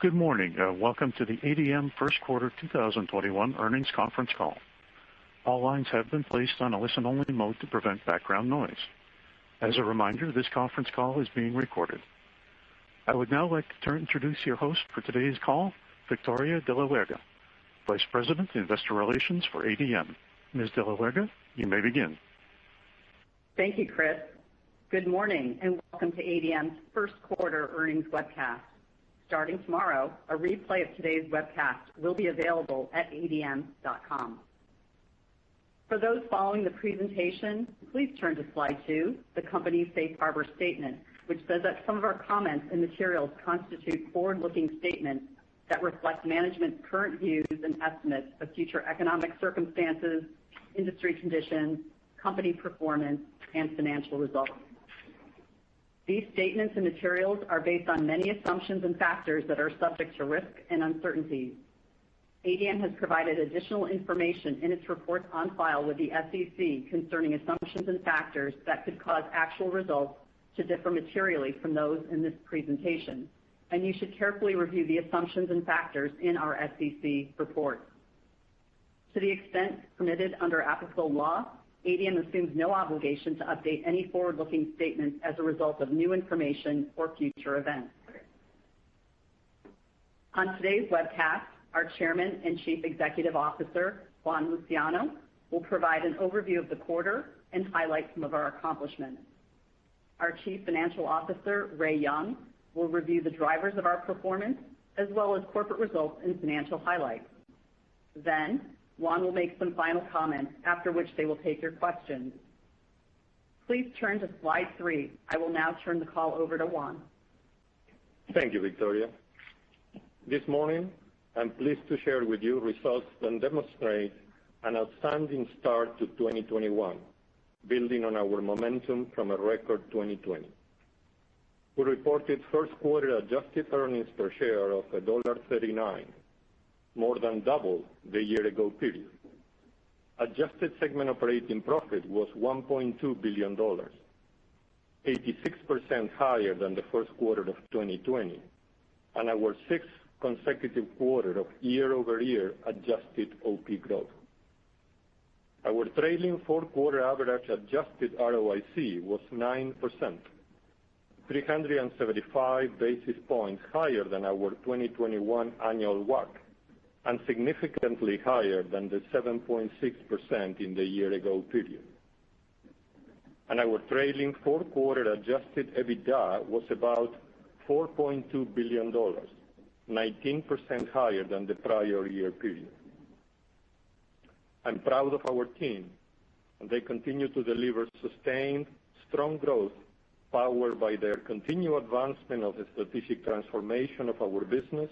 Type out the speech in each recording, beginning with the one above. Good morning. Welcome to the ADM first quarter 2021 Earnings Conference Call. I would now like to introduce your host for today's call, Victoria de la Huerga, Vice President, Investor Relations for ADM. Ms. de la Huerga, you may begin. Thank you, Chris. Good morning, and welcome to ADM's first-quarter earnings webcast. Starting tomorrow, a replay of today's webcast will be available at adm.com. For those following the presentation, please turn to Slide two, the company's safe harbor statement, which says that some of our comments and materials constitute forward-looking statements that reflect management's current views and estimates of future economic circumstances, industry conditions, company performance, and financial results. These statements and materials are based on many assumptions and factors that are subject to risk and uncertainty. ADM has provided additional information in its reports on file with the SEC concerning assumptions and factors that could cause actual results to differ materially from those in this presentation, and you should carefully review the assumptions and factors in our SEC report. To the extent permitted under applicable law, ADM assumes no obligation to update any forward-looking statements as a result of new information or future events. On today's webcast, our Chairman and Chief Executive Officer, Juan Luciano, will provide an overview of the quarter and highlight some of our accomplishments. Our Chief Financial Officer, Ray Young, will review the drivers of our performance as well as corporate results and financial highlights. Juan will make some final comments, after which they will take your questions. Please turn to Slide three. I will now turn the call over to Juan. Thank you, Victoria. This morning, I'm pleased to share with you results that demonstrate an outstanding start to 2021, building on our momentum from a record 2020. We reported first quarter adjusted earnings per share of $1.39, more than double the year-ago period. Adjusted segment operating profit was $1.2 billion, 86% higher than the first quarter of 2020, and our sixth consecutive quarter of year-over-year adjusted OP growth. Our trailing four-quarter average adjusted ROIC was 9%, 375 basis points higher than our 2021 annual WACC, and significantly higher than the 7.6% in the year-ago period. Our trailing four-quarter adjusted EBITDA was about $4.2 billion, 19% higher than the prior year period. I'm proud of our team, and they continue to deliver sustained strong growth powered by their continued advancement of the strategic transformation of our business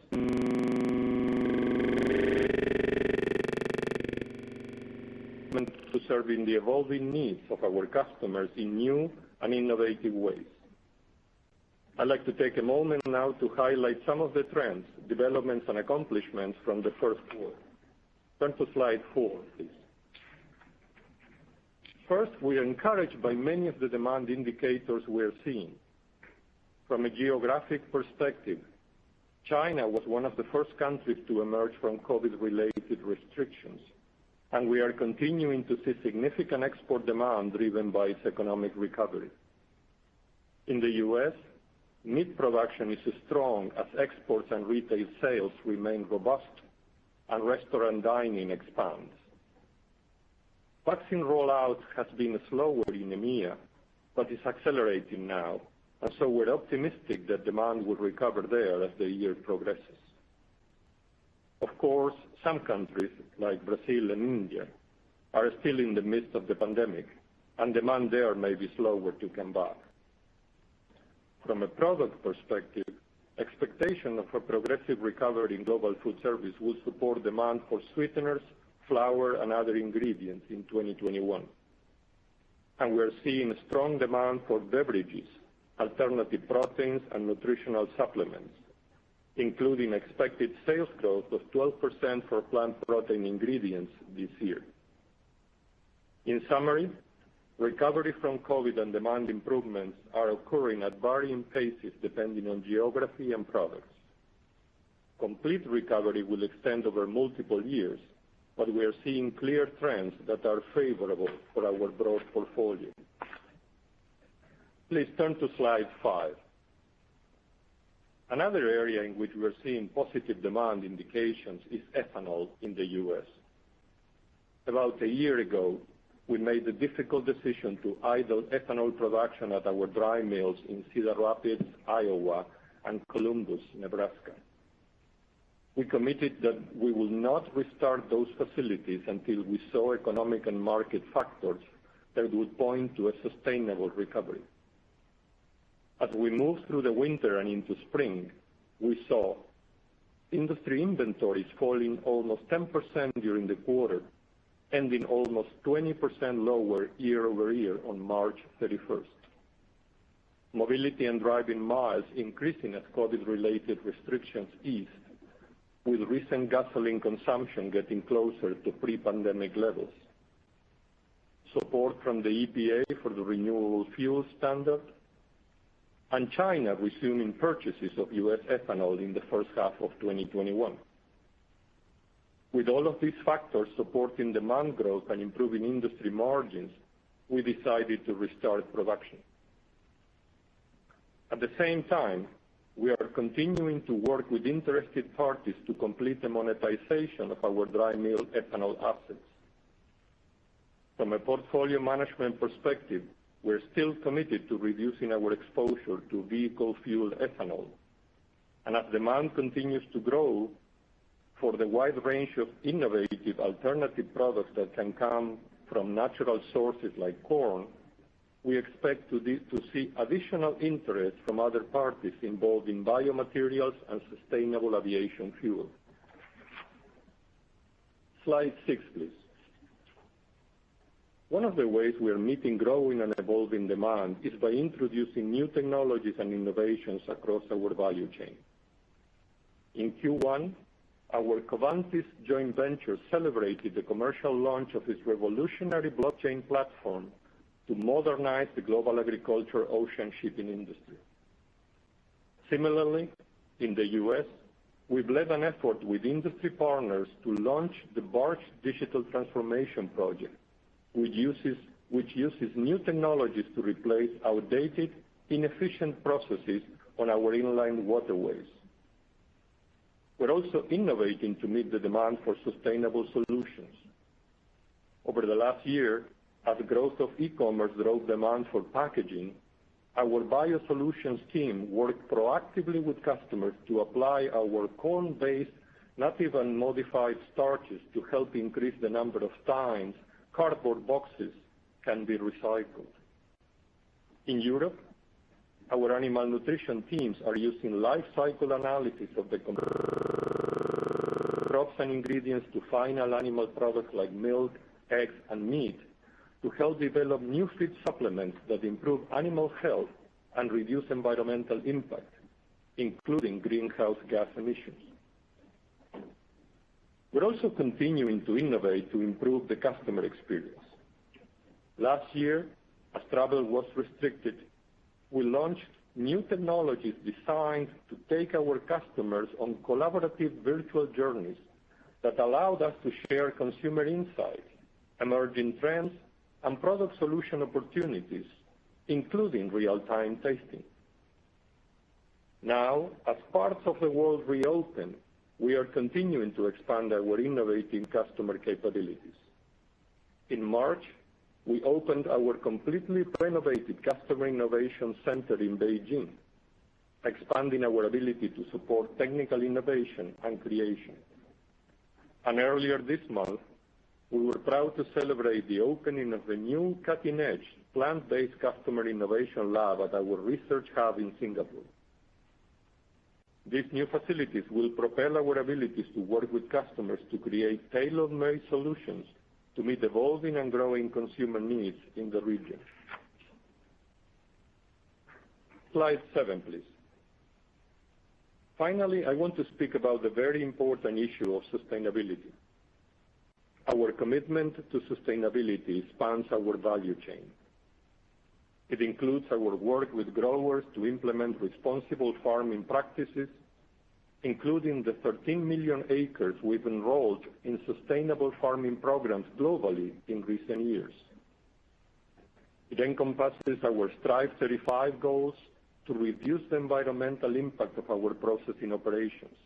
to serving the evolving needs of our customers in new and innovative ways. I'd like to take a moment now to highlight some of the trends, developments, and accomplishments from the first quarter. Turn to Slide four, please. First, we are encouraged by many of the demand indicators we are seeing. From a geographic perspective, China was one of the first countries to emerge from COVID-related restrictions, and we are continuing to see significant export demand driven by its economic recovery. In the U.S., meat production is as strong as exports, and retail sales remain robust and restaurant dining expands. Vaccine rollout has been slower in EMEA, but is accelerating now, and so we're optimistic that demand will recover there as the year progresses. Of course, some countries, like Brazil and India, are still in the midst of the pandemic, and demand there may be slower to come back. From a product perspective, expectation of a progressive recovery in global food service will support demand for sweeteners, flour, and other ingredients in 2021. We're seeing strong demand for beverages, alternative proteins, and nutritional supplements, including expected sales growth of 12% for plant protein ingredients this year. In summary, recovery from COVID and demand improvements are occurring at varying paces depending on geography and products. Complete recovery will extend over multiple years, we are seeing clear trends that are favorable for our broad portfolio. Please turn to Slide five. Another area in which we're seeing positive demand indications is ethanol in the U.S. About a year ago, we made the difficult decision to idle ethanol production at our dry mills in Cedar Rapids, Iowa, and Columbus, Nebraska. We committed that we would not restart those facilities until we saw economic and market factors that would point to a sustainable recovery. As we moved through the winter and into spring, we saw industry inventories falling almost 10% during the quarter, ending almost 20% lower year-over-year on March 31st. Mobility and driving miles increasing as COVID-related restrictions eased, with recent gasoline consumption getting closer to pre-pandemic levels. Support from the EPA for the Renewable Fuel Standard, and China resuming purchases of U.S. ethanol in the first half of 2021. With all of these factors supporting demand growth and improving industry margins, we decided to restart production. At the same time, we are continuing to work with interested parties to complete the monetization of our dry mill ethanol assets. From a portfolio management perspective, we're still committed to reducing our exposure to vehicle fuel ethanol. As demand continues to grow for the wide range of innovative alternative products that can come from natural sources like corn, we expect to see additional interest from other parties involved in biomaterials and sustainable aviation fuel. Slide six, please. One of the ways we are meeting growing and evolving demand is by introducing new technologies and innovations across our value chain. In Q1, our Covantis joint venture celebrated the commercial launch of its revolutionary blockchain platform to modernize the global agriculture ocean shipping industry. Similarly, in the U.S., we've led an effort with industry partners to launch the Barge Digital Transformation Project, which uses new technologies to replace outdated, inefficient processes on our inland waterways. We're also innovating to meet the demand for sustainable solutions. Over the last year, as growth of e-commerce drove demand for packaging, our BioSolutions team worked proactively with customers to apply our corn-based, native, and modified starches to help increase the number of times cardboard boxes can be recycled. In Europe, our animal nutrition teams are using life cycle analysis of the crops and ingredients to final animal products like milk, eggs, and meat to help develop new feed supplements that improve animal health and reduce environmental impact, including greenhouse gas emissions. We're also continuing to innovate to improve the customer experience. Last year, as travel was restricted, we launched new technologies designed to take our customers on collaborative virtual journeys that allowed us to share consumer insights, emerging trends, and product solution opportunities, including real-time tasting. Now, as parts of the world reopen, we are continuing to expand our innovating customer capabilities. In March, we opened our completely renovated customer innovation center in Beijing, expanding our ability to support technical innovation and creation. Earlier this month, we were proud to celebrate the opening of the new cutting-edge plant-based customer innovation lab at our research hub in Singapore. These new facilities will propel our abilities to work with customers to create tailor-made solutions to meet evolving and growing consumer needs in the region. Slide seven, please. Finally, I want to speak about the very important issue of sustainability. Our commitment to sustainability spans our value chain. It includes our work with growers to implement responsible farming practices, including the 13 million acres we've enrolled in sustainable farming programs globally in recent years. It encompasses our Strive 35 goals to reduce the environmental impact of our processing operations,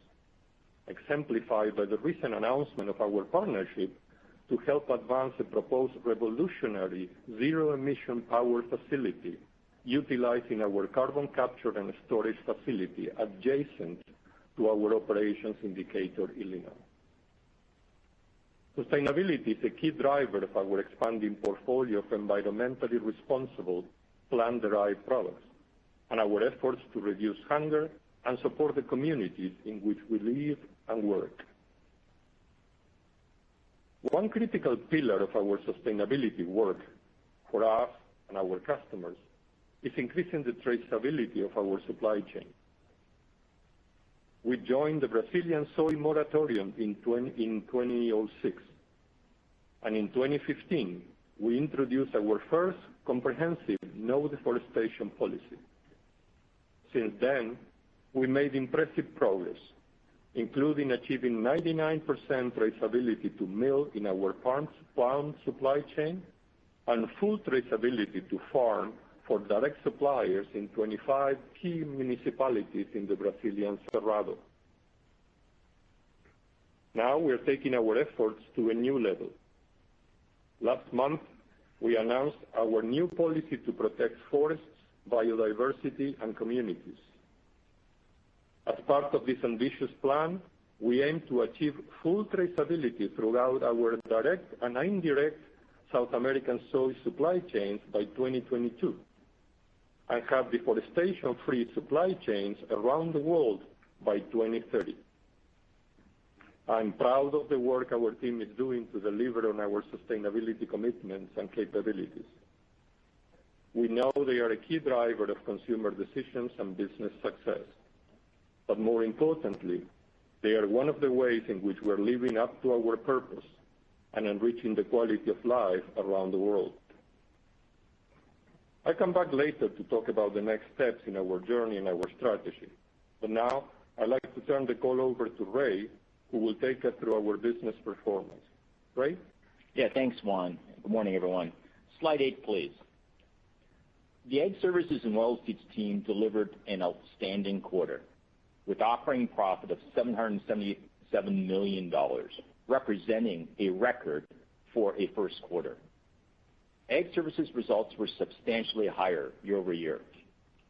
exemplified by the recent announcement of our partnership to help advance a proposed revolutionary zero-emission power facility utilizing our carbon capture and storage facility adjacent to our operations in Decatur, Illinois. Sustainability is a key driver of our expanding portfolio for environmentally responsible plant-derived products and our efforts to reduce hunger and support the communities in which we live and work. One critical pillar of our sustainability work for us and our customers is increasing the traceability of our supply chain. We joined the Amazon Soy Moratorium in 2006, and in 2015, we introduced our first comprehensive no deforestation policy. Since then, we made impressive progress, including achieving 99% traceability to mill in our palm supply chain and full traceability to farm for direct suppliers in 25 key municipalities in the Brazilian Cerrado. Now we're taking our efforts to a new level. Last month, we announced our new policy to protect forests, biodiversity, and communities. As part of this ambitious plan, we aim to achieve full traceability throughout our direct and indirect South American soy supply chains by 2022, and have deforestation-free supply chains around the world by 2030. I'm proud of the work our team is doing to deliver on our sustainability commitments and capabilities. We know they are a key driver of consumer decisions and business success. More importantly, they are one of the ways in which we are living up to our purpose and enriching the quality of life around the world. I'll come back later to talk about the next steps in our journey and our strategy. Now, I'd like to turn the call over to Ray, who will take us through our business performance. Ray? Yeah, thanks, Juan. Good morning, everyone. Slide eight, please. The Ag Services and Oilseeds team delivered an outstanding quarter, with operating profit of $777 million, representing a record for a first quarter. Ag Services results were substantially higher year-over-year.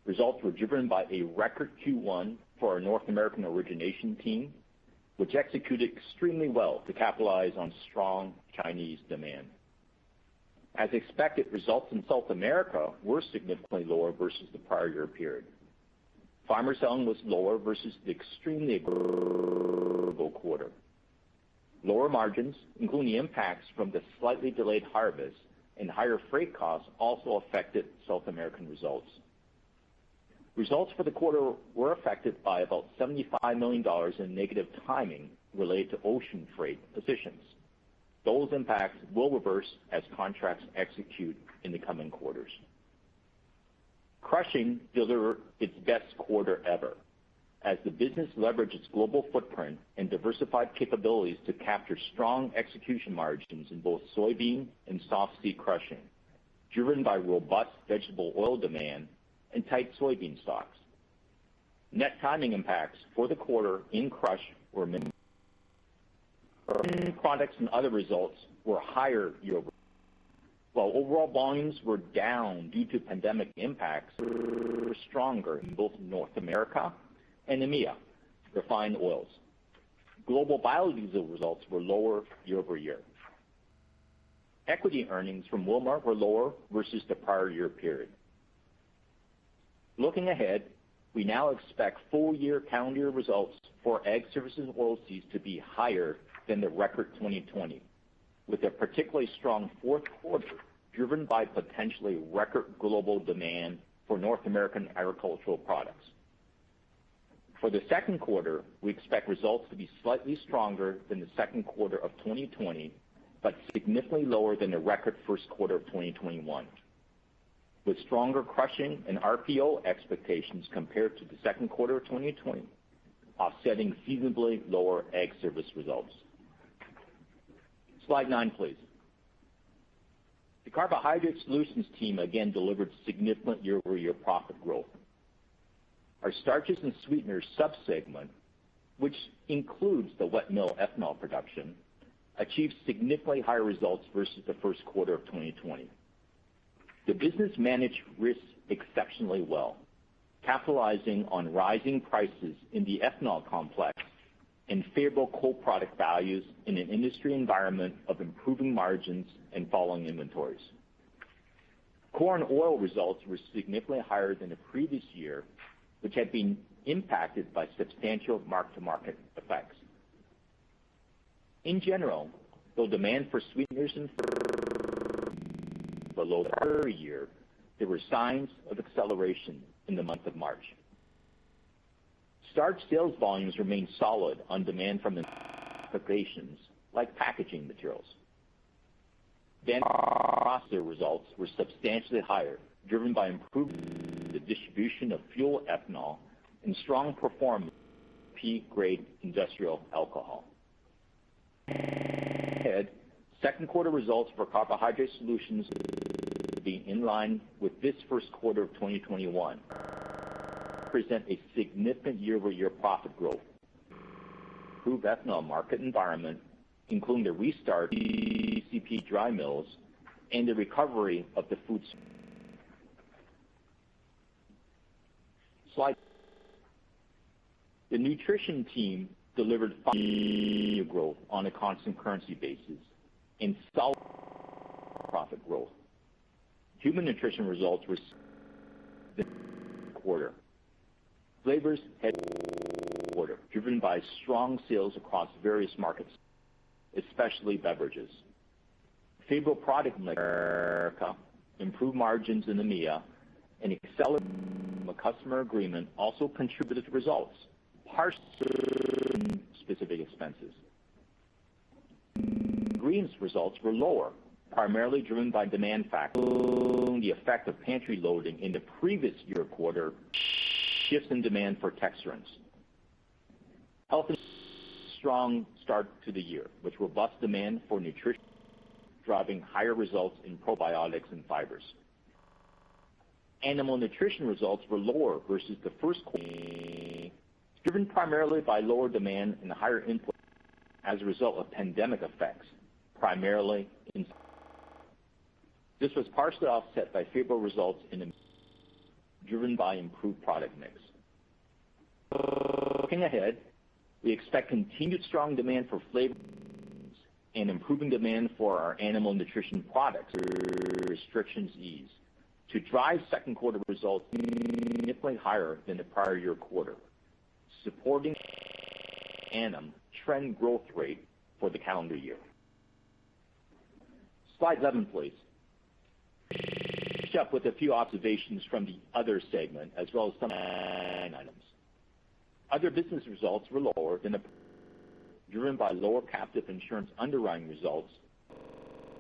Results were driven by a record Q1 for our North American origination team, which executed extremely well to capitalize on strong Chinese demand. As expected, results in South America were significantly lower versus the prior year period. Farmer selling was lower versus the extreme quarter. Lower margins, including the impacts from the slightly delayed harvest and higher freight costs, also affected South American results. Results for the quarter were affected by about $75 million in negative timing related to ocean freight positions. Those impacts will reverse as contracts execute in the coming quarters. Crushing delivered its best quarter ever, as the business leveraged its global footprint and diversified capabilities to capture strong execution margins in both soybean and softseed crushing, driven by robust vegetable oil demand and tight soybean stocks. Net timing impacts for the quarter in crush were minimal. Products and other results were higher year-over-year. While overall volumes were down due to pandemic impacts, stronger in both North America and EMEA refined oils. Global biodiesel results were lower year-over-year. Equity earnings from Wilmar were lower versus the prior year period. Looking ahead, we now expect full year calendar results for Ag Services and Oilseeds to be higher than the record 2020, with a particularly strong fourth quarter, driven by potentially record global demand for North American agricultural products. For the second quarter, we expect results to be slightly stronger than the second quarter of 2020, but significantly lower than the record first quarter of 2021, with stronger crushing and RPO expectations compared to the second quarter of 2020 offsetting seasonally lower Ag Service results. Slide nine, please. The Carbohydrate Solutions team again delivered significant year-over-year profit growth. Our starches and sweeteners sub-segment, which includes the wet mill ethanol production, achieved significantly higher results versus the first quarter of 2020. The business managed risks exceptionally well, capitalizing on rising prices in the ethanol complex and favorable co-product values in an industry environment of improving margins and falling inventories. Corn oil results were significantly higher than the previous year, which had been impacted by substantial mark-to-market effects. In general, though demand for sweeteners and below prior year, there were signs of acceleration in the month of March. Starch sales volumes remained solid on demand from like packaging materials. Results were substantially higher, driven by improved distribution of fuel ethanol and strong performance peak-grade industrial alcohol. Second quarter results for Carbohydrate Solutions were in line with the first quarter of 2021, representing a significant year-over-year profit growth. Ethanol market environment, including the restart of dry mills and the recovery of the food. Slide. The Nutrition team delivered growth on a constant currency basis and profit growth. Human nutrition results were quarter. Flavors had quarter, driven by strong sales across various markets, especially beverages. Favorable product mix, improved margins in EMEA, and acceleration of a customer agreement also contributed to results, partially specific expenses. Ingredients results were lower, primarily driven by demand, the effect of pantry loading in the previous year quarter, shifts in demand for texturants. A healthy, strong start to the year, with robust demand for Nutrition driving higher results in probiotics and fibers. Animal Nutrition results were lower versus the first quarter, driven primarily by lower demand and higher input costs as a result of pandemic effects. This was partially offset by favorable results, driven by improved product mix. Looking ahead, we expect continued strong demand for flavor and improving demand for our Animal Nutrition products as restrictions ease to drive second quarter results higher than the prior year quarter, supporting an annual trend growth rate for the calendar year. Slide 11, please. We'll finish up with a few observations from the Other segment, as well as some items. Other business results were lower, driven by lower captive insurance underwriting results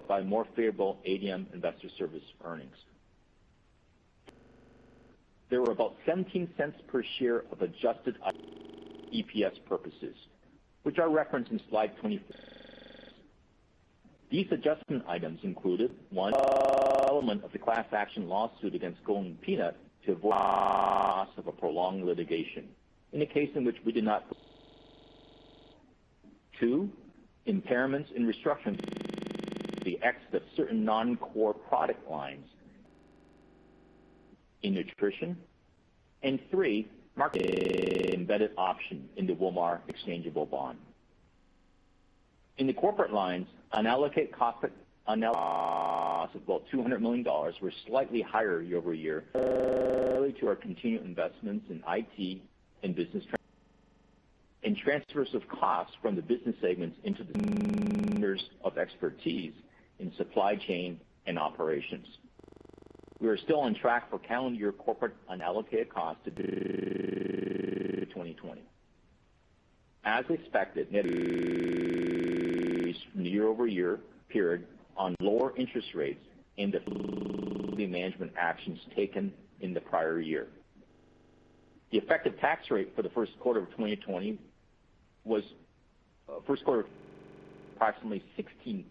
but more favorable ADM Investor Services earnings. There were about $0.17 per share of adjusted EPS purposes, which are referenced in slide 24. These adjustment items included, one, element of the class action lawsuit against Golden Peanut due to a prolonged litigation in a case in which we did not. Two, impairments and restructurings the exit of certain non-core product lines in Nutrition. Three, market embedded option in the Wilmar exchangeable bond. In the corporate lines, unallocated costs of about $200 million were slightly higher year-over-year, due to our continued investments in IT and business and transfers of costs from the business segments into the Centers of Excellence in supply chain and operations. We are still on track for calendar year corporate unallocated costs to 2020. As expected, net year-over-year period on lower interest rates and the management actions taken in the prior year. The effective tax rate for the first quarter of 2020 was approximately 16%,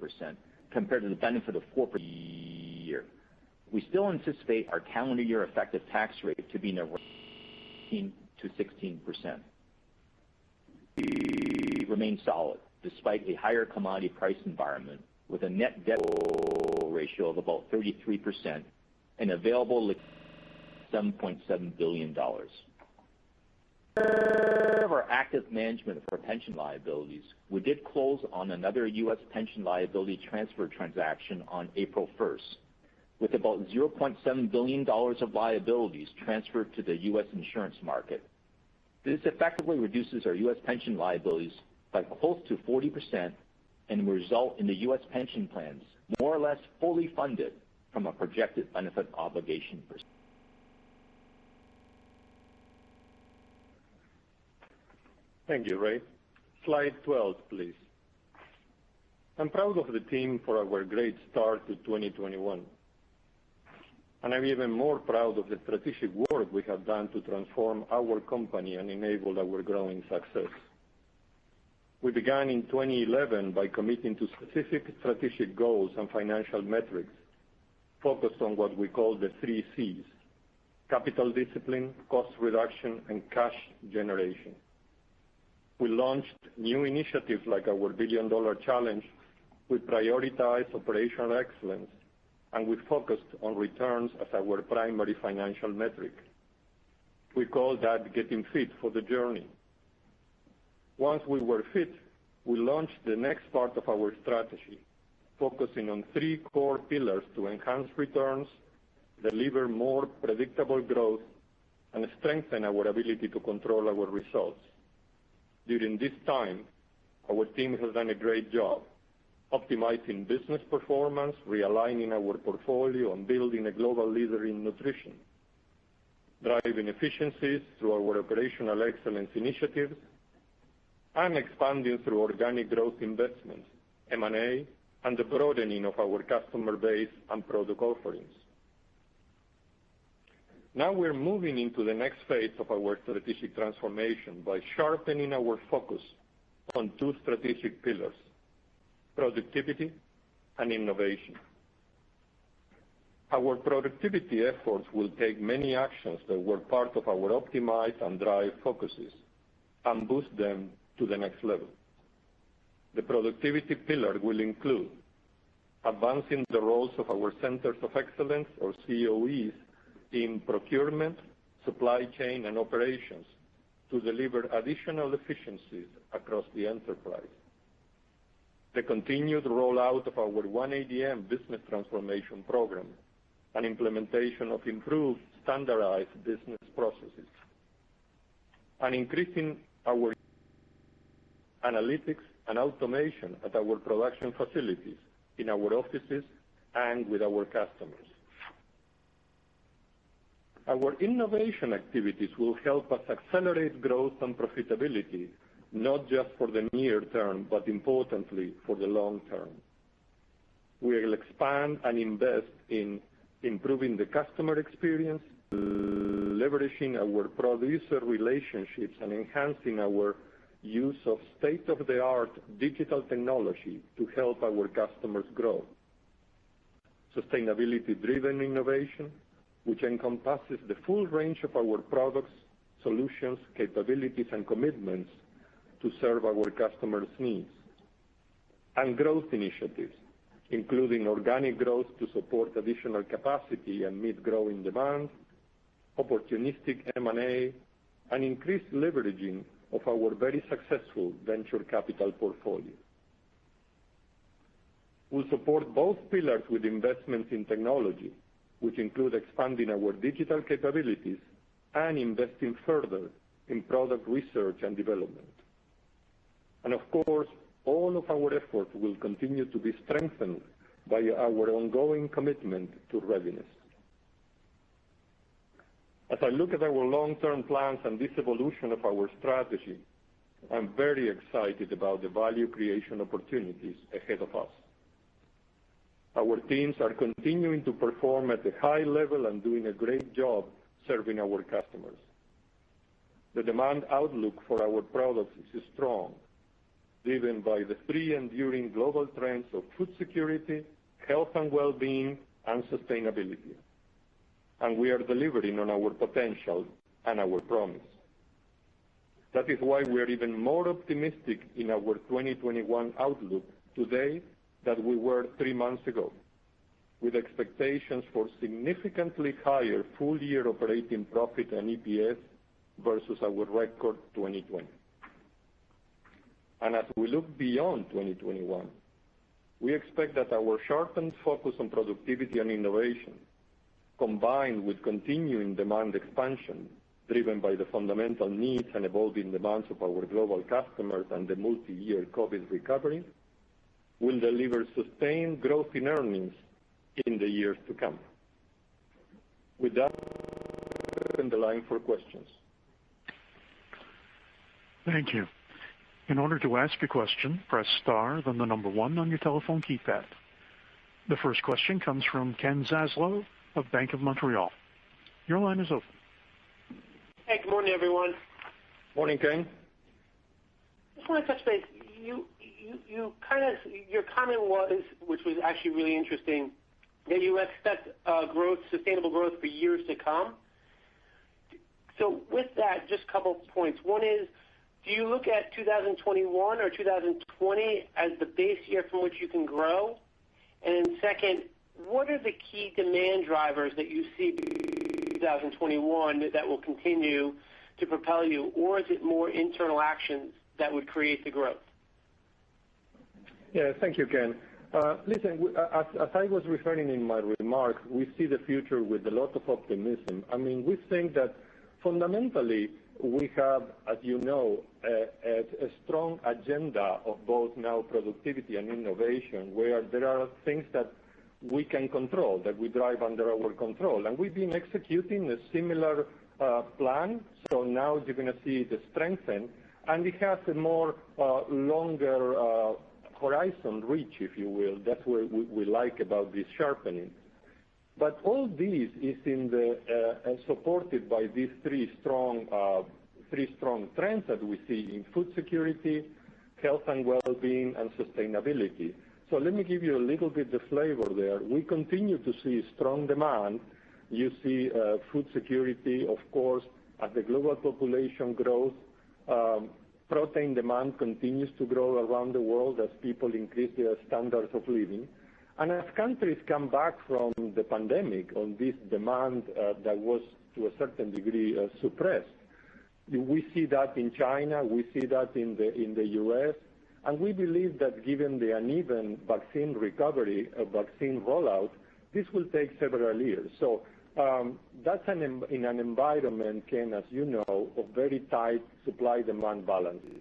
compared to the benefit of corporate year. We still anticipate our calendar year effective tax rate to be to 16%. Remain solid despite a higher commodity price environment with a net debt ratio of about 33% and available $7.7 billion. Our active management of our pension liabilities, we did close on another U.S. pension liability transfer transaction on April 1st, with about $0.7 billion of liabilities transferred to the U.S. insurance market. This effectively reduces our U.S. pension liabilities by close to 40% and will result in the U.S. pension plans more or less fully funded from a projected benefit obligation percent. Thank you, Ray. Slide 12, please. I'm proud of the team for our great start to 2021. I'm even more proud of the strategic work we have done to transform our company and enable our growing success. We began in 2011 by committing to specific strategic goals and financial metrics focused on what we call the 3Cs: capital discipline, cost reduction, and cash generation. We launched new initiatives like our billion-dollar challenge, we prioritized operational excellence, and we focused on returns as our primary financial metric. We call that getting fit for the journey. Once we were fit, we launched the next part of our strategy, focusing on three core pillars to enhance returns, deliver more predictable growth, and strengthen our ability to control our results. During this time, our team has done a great job optimizing business performance, realigning our portfolio, and building a global leader in nutrition, driving efficiencies through our operational excellence initiatives, and expanding through organic growth investments, M&A, and the broadening of our customer base and product offerings. We're moving into the next phase of our strategic transformation by sharpening our focus on two strategic pillars, productivity and innovation. Our productivity efforts will take many actions that were part of our optimize and drive focuses and boost them to the next level. The productivity pillar will include advancing the roles of our Centers of Excellence or COEs in procurement, supply chain, and operations to deliver additional efficiencies across the enterprise. The continued rollout of our OneADM business transformation program and implementation of improved standardized business processes, increasing our analytics and automation at our production facilities, in our offices, and with our customers. Our innovation activities will help us accelerate growth and profitability not just for the near term, but importantly, for the long term. We will expand and invest in improving the customer experience, leveraging our producer relationships, and enhancing our use of state-of-the-art digital technology to help our customers grow. Sustainability-driven innovation, which encompasses the full range of our products, solutions, capabilities, and commitments to serve our customers' needs. Growth initiatives, including organic growth to support additional capacity and meet growing demand, opportunistic M&A, and increased leveraging of our very successful venture capital portfolio. We'll support both pillars with investments in technology, which include expanding our digital capabilities and investing further in product research and development. Of course, all of our efforts will continue to be strengthened by our ongoing commitment to readiness. As I look at our long-term plans and this evolution of our strategy, I'm very excited about the value creation opportunities ahead of us. Our teams are continuing to perform at a high level and doing a great job serving our customers. The demand outlook for our products is strong, driven by the three enduring global trends of food security, health and wellbeing, and sustainability. And we are delivering on our potential and our promise. That is why we are even more optimistic in our 2021 outlook today than we were three months ago, with expectations for significantly higher full-year operating profit and EPS versus our record 2020. As we look beyond 2021, we expect that our sharpened focus on productivity and innovation, combined with continuing demand expansion driven by the fundamental needs and evolving demands of our global customers and the multi-year COVID recovery, will deliver sustained growth in earnings in the years to come. With that, I open the line for questions. Thank you. In order to ask a question, press star, then the number one on your telephone keypad. The first question comes from Ken Zaslow of Bank of Montreal. Your line is open. Hey, good morning, everyone. Morning, Ken. Just want to touch base. Your comment, which was actually really interesting, that you expect sustainable growth for years to come. With that, just a couple points. One is, do you look at 2021 or 2020 as the base year from which you can grow? Second, what are the key demand drivers that you see in 2021 that will continue to propel you? Is it more internal actions that would create the growth? Yeah. Thank you, Ken. Listen, as I was referring in my remarks, we see the future with a lot of optimism. We think that fundamentally we have, as you know, a strong agenda of both now productivity and innovation, where there are things that we can control, that we drive under our control. We've been executing a similar plan, so now you're going to see the strength. It has a more longer horizon reach, if you will. That's what we like about this sharpening. All this is supported by these three strong trends that we see in food security, health and wellbeing, and sustainability. Let me give you a little bit of flavor there. We continue to see strong demand. You see food security, of course, as the global population grows. Protein demand continues to grow around the world as people increase their standards of living. As countries come back from the pandemic on this demand that was, to a certain degree, suppressed. We see that in China, we see that in the U.S., and we believe that given the uneven vaccine rollout, this will take several years. That's in an environment, Ken, as you know, of very tight supply-demand balances.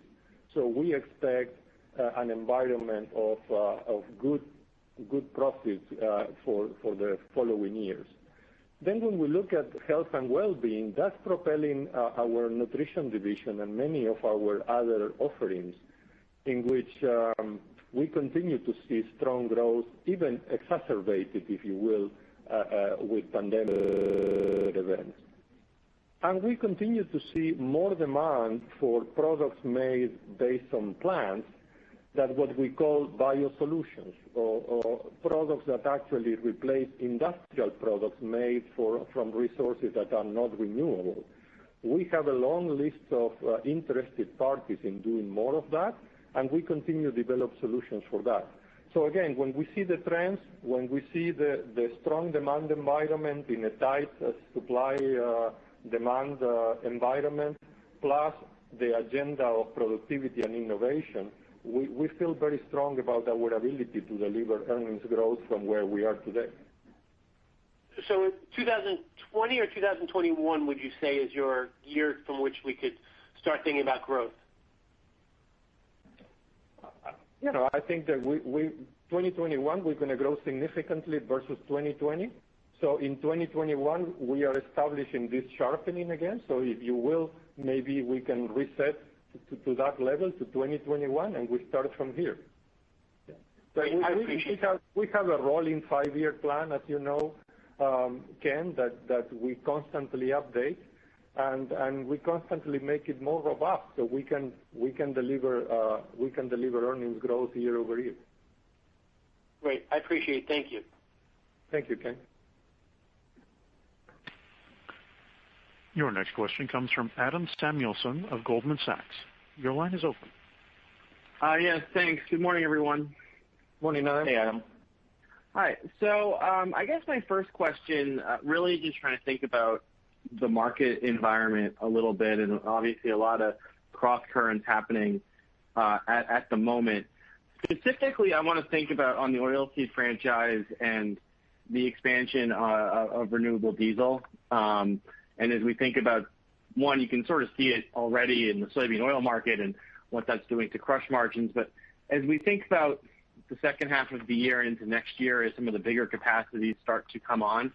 We expect an environment of good profits for the following years. When we look at health and wellbeing, that's propelling our Nutrition division and many of our other offerings, in which we continue to see strong growth, even exacerbated, if you will, with pandemic events. We continue to see more demand for products made based on plants, that what we call BioSolutions or products that actually replace industrial products made from resources that are not renewable. We have a long list of interested parties in doing more of that, and we continue to develop solutions for that. Again, when we see the trends, when we see the strong demand environment in a tight supply demand environment, plus the agenda of productivity and innovation, we feel very strong about our ability to deliver earnings growth from where we are today. 2020 or 2021, would you say, is your year from which we could start thinking about growth? I think that 2021, we're going to grow significantly versus 2020. In 2021, we are establishing this sharpening again. If you will, maybe we can reset to that level, to 2021, and we start from here. I appreciate that. We have a rolling five-year plan, as you know, Ken, that we constantly update, and we constantly make it more robust so we can deliver earnings growth year-over-year. Great. I appreciate it. Thank you. Thank you, Ken. Your next question comes from Adam Samuelson of Goldman Sachs. Your line is open. Yes, thanks. Good morning, everyone. Morning, Adam. Hi. I guess my first question, really just trying to think about the market environment a little bit, and obviously a lot of cross currents happening at the moment. Specifically, I want to think about on the oil seed franchise and the expansion of renewable diesel. As we think about one, you can sort of see it already in the soybean oil market and what that's doing to crush margins. As we think about the second half of the year into next year, as some of the bigger capacities start to come on,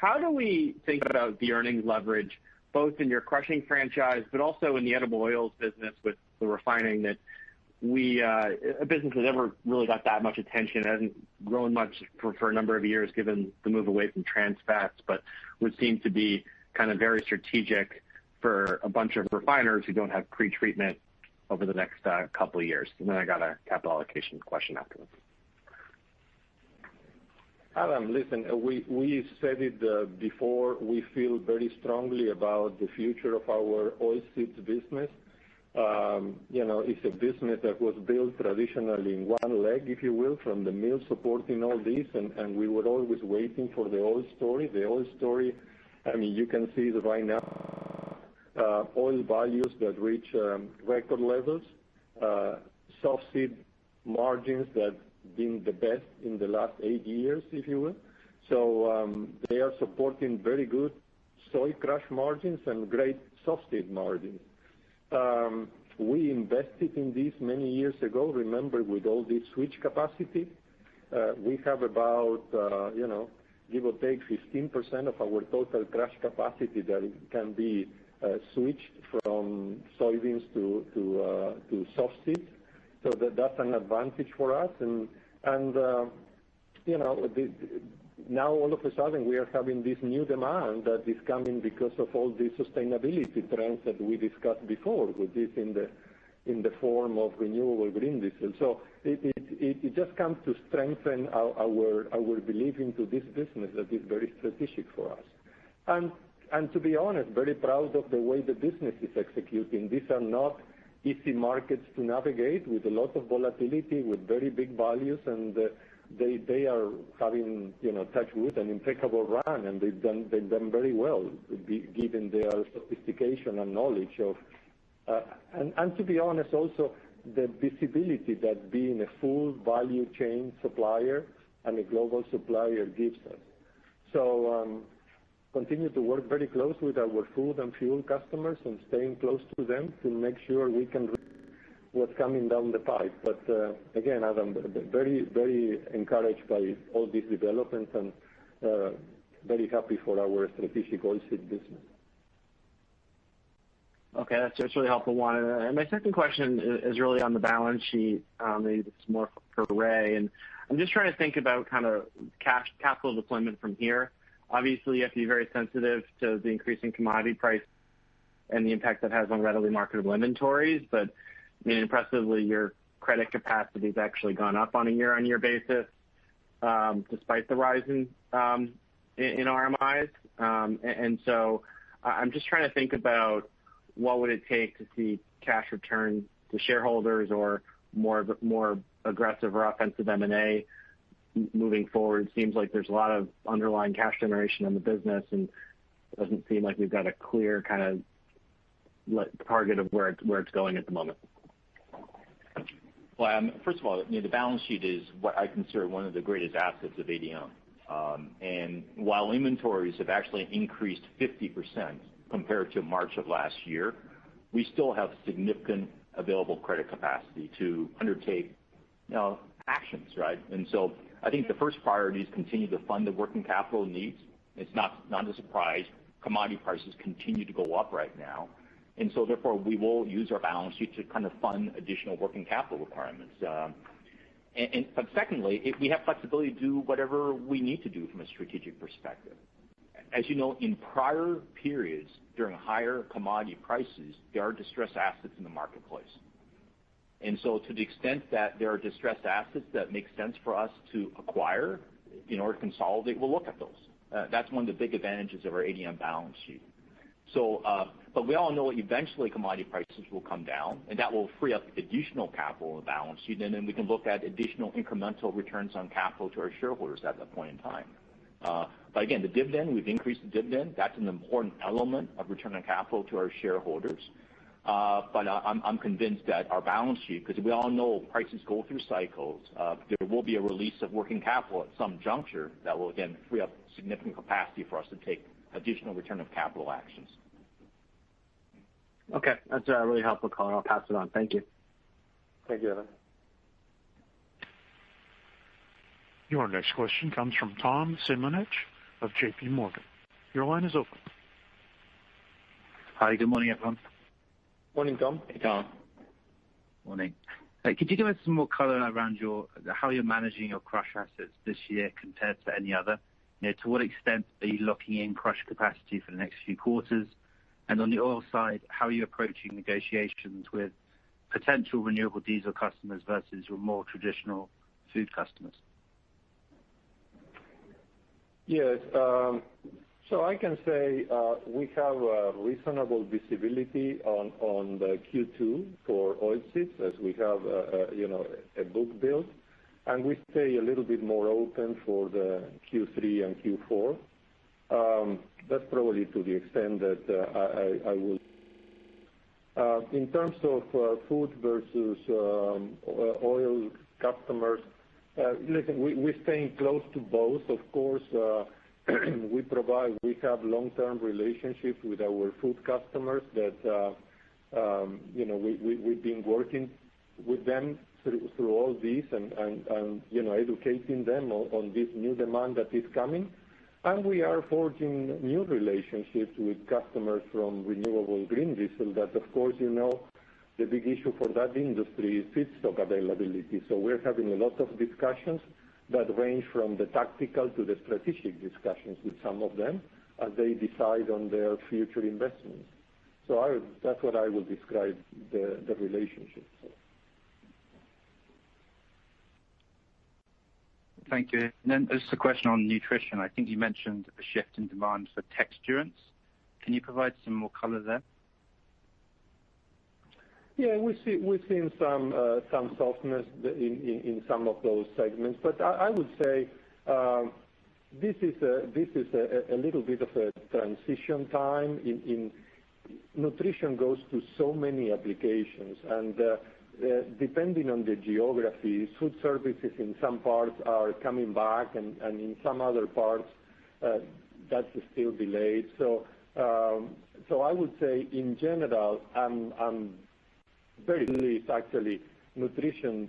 how do we think about the earnings leverage, both in your crushing franchise but also in the edible oils business with the refining that a business that never really got that much attention, hasn't grown much for a number of years given the move away from trans fats. Would seem to be kind of very strategic for a bunch of refiners who don't have pretreatment over the next couple of years. Then I got a capital allocation question afterwards. Adam Samuelson, listen, we said it before, we feel very strongly about the future of our oilseeds business. It's a business that was built traditionally in one leg, if you will, from the mill supporting all this, and we were always waiting for the oil story. The oil story, you can see that right now, oil values that reach record levels, softseed margins that been the best in the last 8 years, if you will. They are supporting very good soy crush margins and great softseed margins. We invested in this many years ago, remember, with all this switch capacity. We have about give or take, 15% of our total crush capacity that can be switched from soybeans to softseed. That's an advantage for us, and now all of a sudden, we are having this new demand that is coming because of all the sustainability trends that we discussed before with this in the form of renewable green diesel. It just comes to strengthen our belief into this business that is very strategic for us. To be honest, very proud of the way the business is executing. These are not easy markets to navigate with a lot of volatility, with very big volumes, and they are having, touch wood, an impeccable run, and they've done very well given their sophistication and knowledge of. To be honest, also the visibility that being a full value chain supplier and a global supplier gives us. Continue to work very closely with our food and fuel customers and staying close to them to make sure we can read what's coming down the pipe. Adam, very encouraged by all these developments and very happy for our strategic oil seed business. Okay. That's really helpful, Juan. My second question is really on the balance sheet. Maybe this is more for Ray, and I'm just trying to think about kind of capital deployment from here. Obviously, you have to be very sensitive to the increasing commodity price and the impact that has on readily marketable inventories. Impressively, your credit capacity's actually gone up on a year-on-year basis, despite the rise in RMIs. I'm just trying to think about what would it take to see cash return to shareholders or more aggressive or offensive M&A moving forward. Seems like there's a lot of underlying cash generation in the business, and doesn't seem like we've got a clear kind of target of where it's going at the moment. Well, first of all, the balance sheet is what I consider one of the greatest assets of ADM. While inventories have actually increased 50% compared to March of last year, we still have significant available credit capacity to undertake actions, right? I think the first priority is continue to fund the working capital needs. It's not a surprise. Commodity prices continue to go up right now, and so therefore, we will use our balance sheet to kind of fund additional working capital requirements. Secondly, we have flexibility to do whatever we need to do from a strategic perspective. As you know, in prior periods during higher commodity prices, there are distressed assets in the marketplace. To the extent that there are distressed assets that make sense for us to acquire in order to consolidate, we'll look at those. That's one of the big advantages of our ADM balance sheet. We all know eventually commodity prices will come down, and that will free up additional capital on the balance sheet, and then we can look at additional incremental returns on capital to our shareholders at that point in time. Again, the dividend, we've increased the dividend. That's an important element of returning capital to our shareholders. I'm convinced that our balance sheet, because we all know prices go through cycles, there will be a release of working capital at some juncture that will again free up significant capacity for us to take additional return of capital actions. Okay. That's really helpful, I'll pass it on. Thank you. Thank you, Adam. Your next question comes from Tom Palmer of J.P. Morgan. Your line is open. Hi, good morning, everyone. Morning, Thomas. Hey, Tom. Morning. Could you give us some more color around how you're managing your crush assets this year compared to any other? To what extent are you locking in crush capacity for the next few quarters? On the oil side, how are you approaching negotiations with potential renewable diesel customers versus your more traditional food customers? Yes. I can say we have a reasonable visibility on the Q2 for oilseeds, as we have a book build, and we stay a little bit more open for the Q3 and Q4. That's probably to the extent that I will. In terms of food versus oil customers, listen, we're staying close to both. Of course, we have long-term relationships with our food customers that we've been working with them through all this and educating them on this new demand that is coming. We are forging new relationships with customers from renewable green diesel that, of course, you know the big issue for that industry is feedstock availability. We're having a lot of discussions that range from the tactical to the strategic discussions with some of them as they decide on their future investments. That's what I will describe the relationships. Thank you. Just a question on Nutrition. I think you mentioned a shift in demand for texturants. Can you provide some more color there? Yeah. We've seen some softness in some of those segments, but I would say this is a little bit of a transition time in Nutrition goes through so many applications, and depending on the geography, food services in some parts are coming back and in some other parts, that's still delayed. I would say in general, I'm very pleased actually, Nutrition,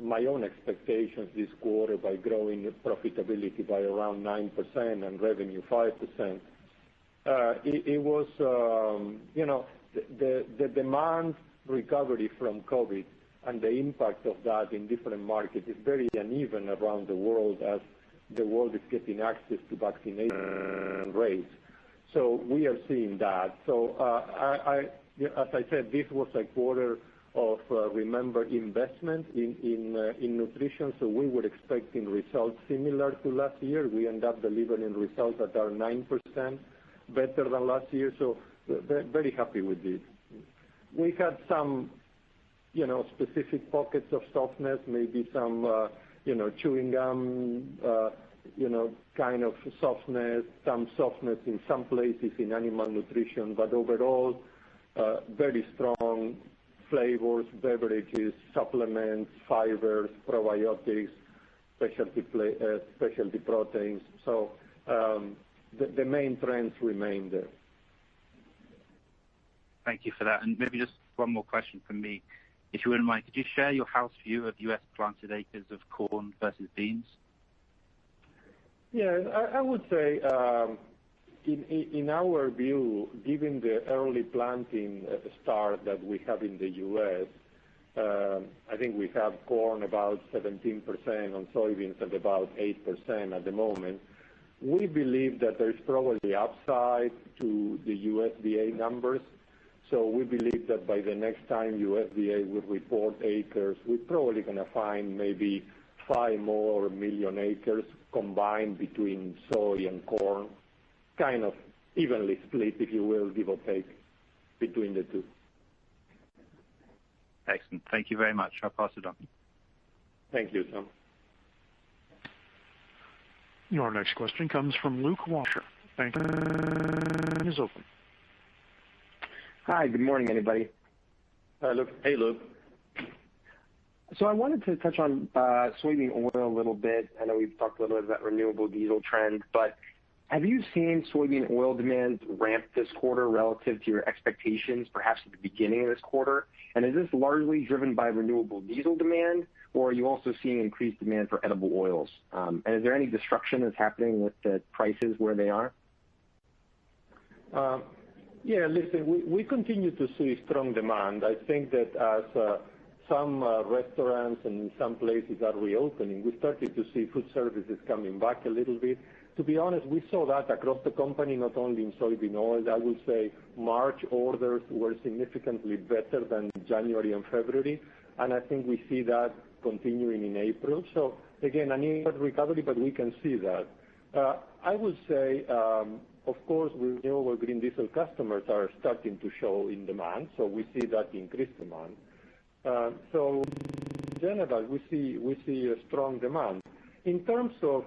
my own expectations this quarter by growing profitability by around 9% and revenue 5%. The demand recovery from COVID and the impact of that in different markets is very uneven around the world as the world is getting access to vaccination rates. We are seeing that. As I said, this was a quarter of, remember, investment in Nutrition, so we were expecting results similar to last year. We end up delivering results that are 9% better than last year. Very happy with it. We had some specific pockets of softness, maybe some chewing gum kind of softness, some softness in some places in animal nutrition. Overall, very strong flavors, beverages, supplements, fibers, probiotics, specialty proteins. The main trends remain there. Thank you for that. Maybe just one more question from me. If you wouldn't mind, could you share your house view of U.S. planted acres of corn versus beans? Yeah. I would say, in our view, given the early planting start that we have in the U.S., I think we have corn about 17% on soybeans at about 8% at the moment. We believe that there's probably upside to the USDA numbers. We believe that by the next time USDA will report acres, we're probably going to find maybe five more million acres combined between soy and corn, kind of evenly split, if you will, give or take between the two. Excellent. Thank you very much. I'll pass it on. Thank you, Tom. Your next question comes from Luke Washer. Your line is open. Hi. Good morning, everybody. Hi, Luke. Hey, Luke. I wanted to touch on soybean oil a little bit. I know we've talked a little bit about renewable diesel trends, but have you seen soybean oil demand ramp this quarter relative to your expectations, perhaps at the beginning of this quarter? Is this largely driven by renewable diesel demand, or are you also seeing increased demand for edible oils? Is there any destruction that's happening with the prices where they are? Yeah. Listen, we continue to see strong demand. I think that as some restaurants and some places are reopening, we're starting to see food services coming back a little bit. To be honest, we saw that across the company, not only in soybean oil. I would say March orders were significantly better than January and February. I think we see that continuing in April. Again, an inward recovery, but we can see that. I would say, of course, renewable green diesel customers are starting to show in demand. We see that increased demand. In general, we see a strong demand. In terms of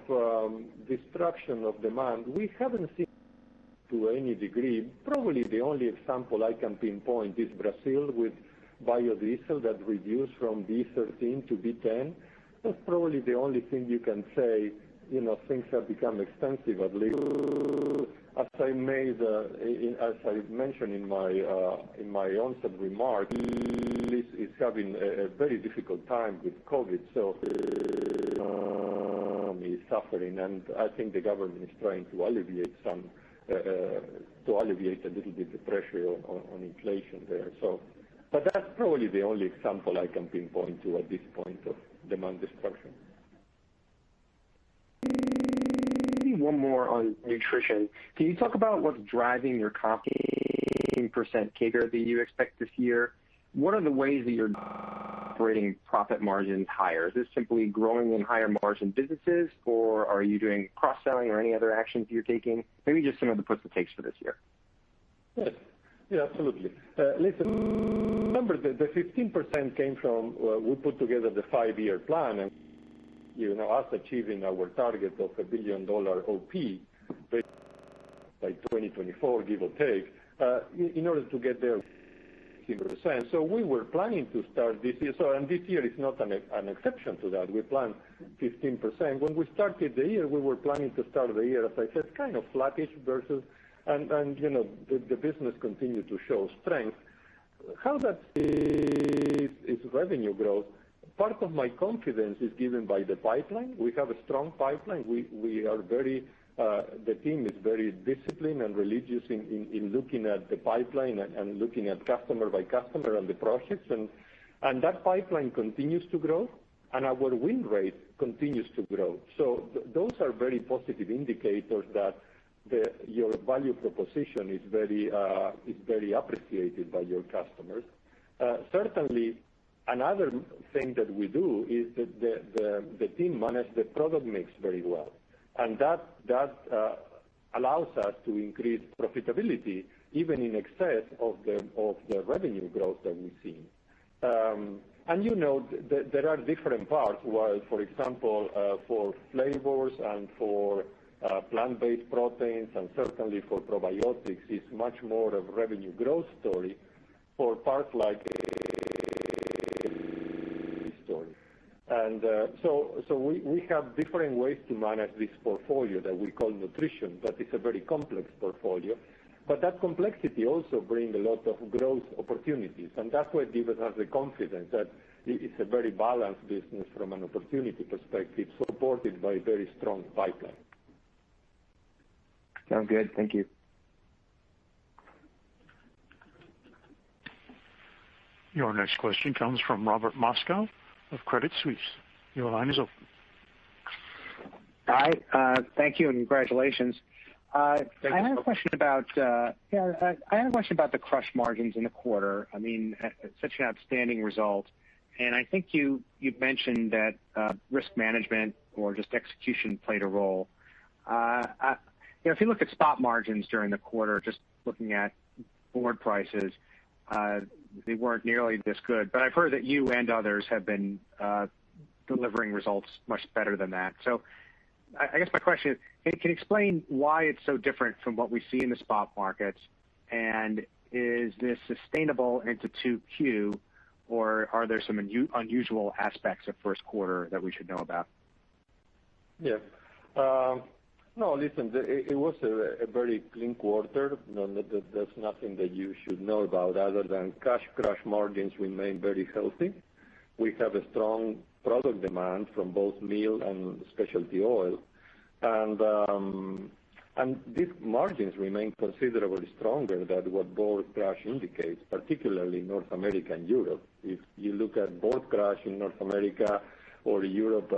destruction of demand, we haven't seen to any degree. Probably the only example I can pinpoint is Brazil with biodiesel that reduced from B13 to B10. That's probably the only thing you can say, things have become expensive at least. As I mentioned in my onset remarks, it's having a very difficult time with COVID. The economy is suffering, and I think the government is trying to alleviate a little bit the pressure on inflation there. That's probably the only example I can pinpoint to at this point of demand destruction. Maybe one more on Nutrition. Can you talk about what's driving your 10% CAGR that you expect this year? What are the ways that you're operating profit margins higher? Is this simply growing in higher margin businesses, or are you doing cross-selling or any other actions you're taking? Maybe just some of the puts and takes for this year. Yes. Yeah, absolutely. Listen, remember that the 15% came from when we put together the five-year plan and us achieving our target of a billion-dollar OP by 2024, give or take. In order to get there, 15%. We were planning to start this year, and this year is not an exception to that. We planned 15%. When we started the year, as I said, the business continued to show strength. How that is revenue growth, part of my confidence is given by the pipeline. We have a strong pipeline. The team is very disciplined and religious in looking at the pipeline and looking at customer by customer and the projects. That pipeline continues to grow, and our win rate continues to grow. Those are very positive indicators that your value proposition is very appreciated by your customers. Certainly, another thing that we do is the team manage the product mix very well, and that allows us to increase profitability even in excess of the revenue growth that we've seen. There are different parts. For example for flavors and for plant-based proteins and certainly for probiotics, it's much more of a revenue growth story. We have different ways to manage this portfolio that we call Nutrition, but it's a very complex portfolio. That complexity also brings a lot of growth opportunities, and that's what gives us the confidence that it's a very balanced business from an opportunity perspective, supported by a very strong pipeline. Sounds good. Thank you. Your next question comes from Robert Moskow of Credit Suisse. Your line is open. Hi. Thank you, and congratulations. Thank you. I had a question about the crush margins in the quarter. Such an outstanding result. I think you mentioned that risk management or just execution played a role. If you look at spot margins during the quarter, just looking at board prices, they weren't nearly this good. I've heard that you and others have been delivering results much better than that. I guess my question is: Can you explain why it's so different from what we see in the spot markets? Is this sustainable into two Q, or are there some unusual aspects of first quarter that we should know about? Yeah. No, listen, it was a very clean quarter. No, there's nothing that you should know about other than cash crush margins remain very healthy. We have a strong product demand from both meal and specialty oil. These margins remain considerably stronger than what board crush indicates, particularly North America and Europe. If you look at board crush in North America or Europe,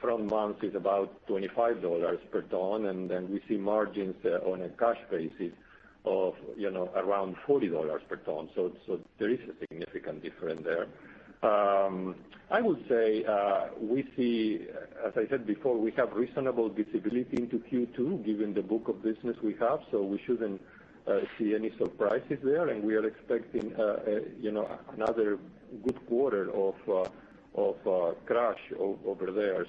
front month is about $25 per ton, and then we see margins on a cash basis of around $40 per ton. There is a significant difference there. I would say, as I said before, we have reasonable visibility into Q2 given the book of business we have, so we shouldn't see any surprises there. And we are expecting another good quarter of crush over there.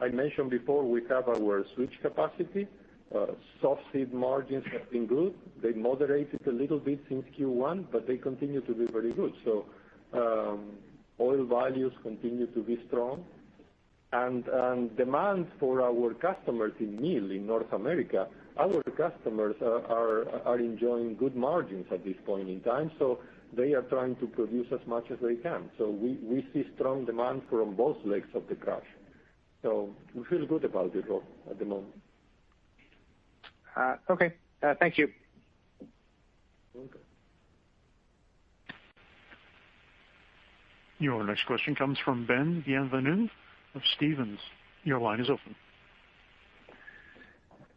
I mentioned before, we have our switch capacity. Softseed margins have been good. They moderated a little bit since Q1, but they continue to be very good. Oil values continue to be strong and demand for our customers in meal in North America, our customers are enjoying good margins at this point in time, so they are trying to produce as much as they can. We see strong demand from both legs of the crush. We feel good about the crop at the moment. Okay. Thank you. You're welcome. Your next question comes from Ben Bienvenu of Stephens. Your line is open.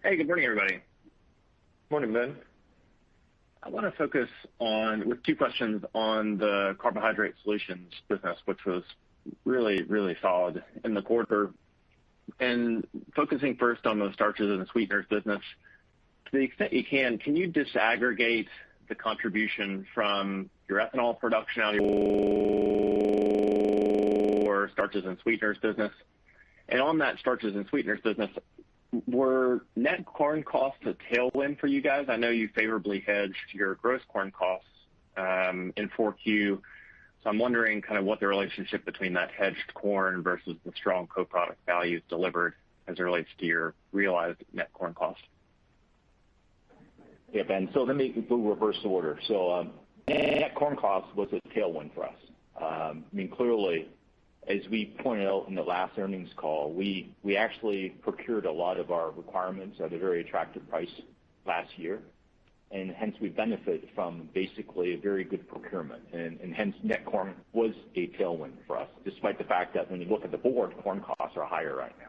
Hey, good morning, everybody. Morning, Ben. I want to focus with two questions on the Carbohydrate Solutions business, which was really solid in the quarter. Focusing first on the starches and the sweeteners business, to the extent you can you disaggregate the contribution from your ethanol production out of your starches and sweeteners business? On that starches and sweeteners business, were net corn costs a tailwind for you guys? I know you favorably hedged your gross corn costs in Q4. I'm wondering what the relationship between that hedged corn versus the strong co-product values delivered as it relates to your realized net corn cost. Yeah, Ben. Let me reverse the order. Net corn cost was a tailwind for us. Clearly, as we pointed out in the last earnings call, we actually procured a lot of our requirements at a very attractive price last year, and hence we benefited from basically a very good procurement. Hence net corn was a tailwind for us, despite the fact that when you look at the board, corn costs are higher right now.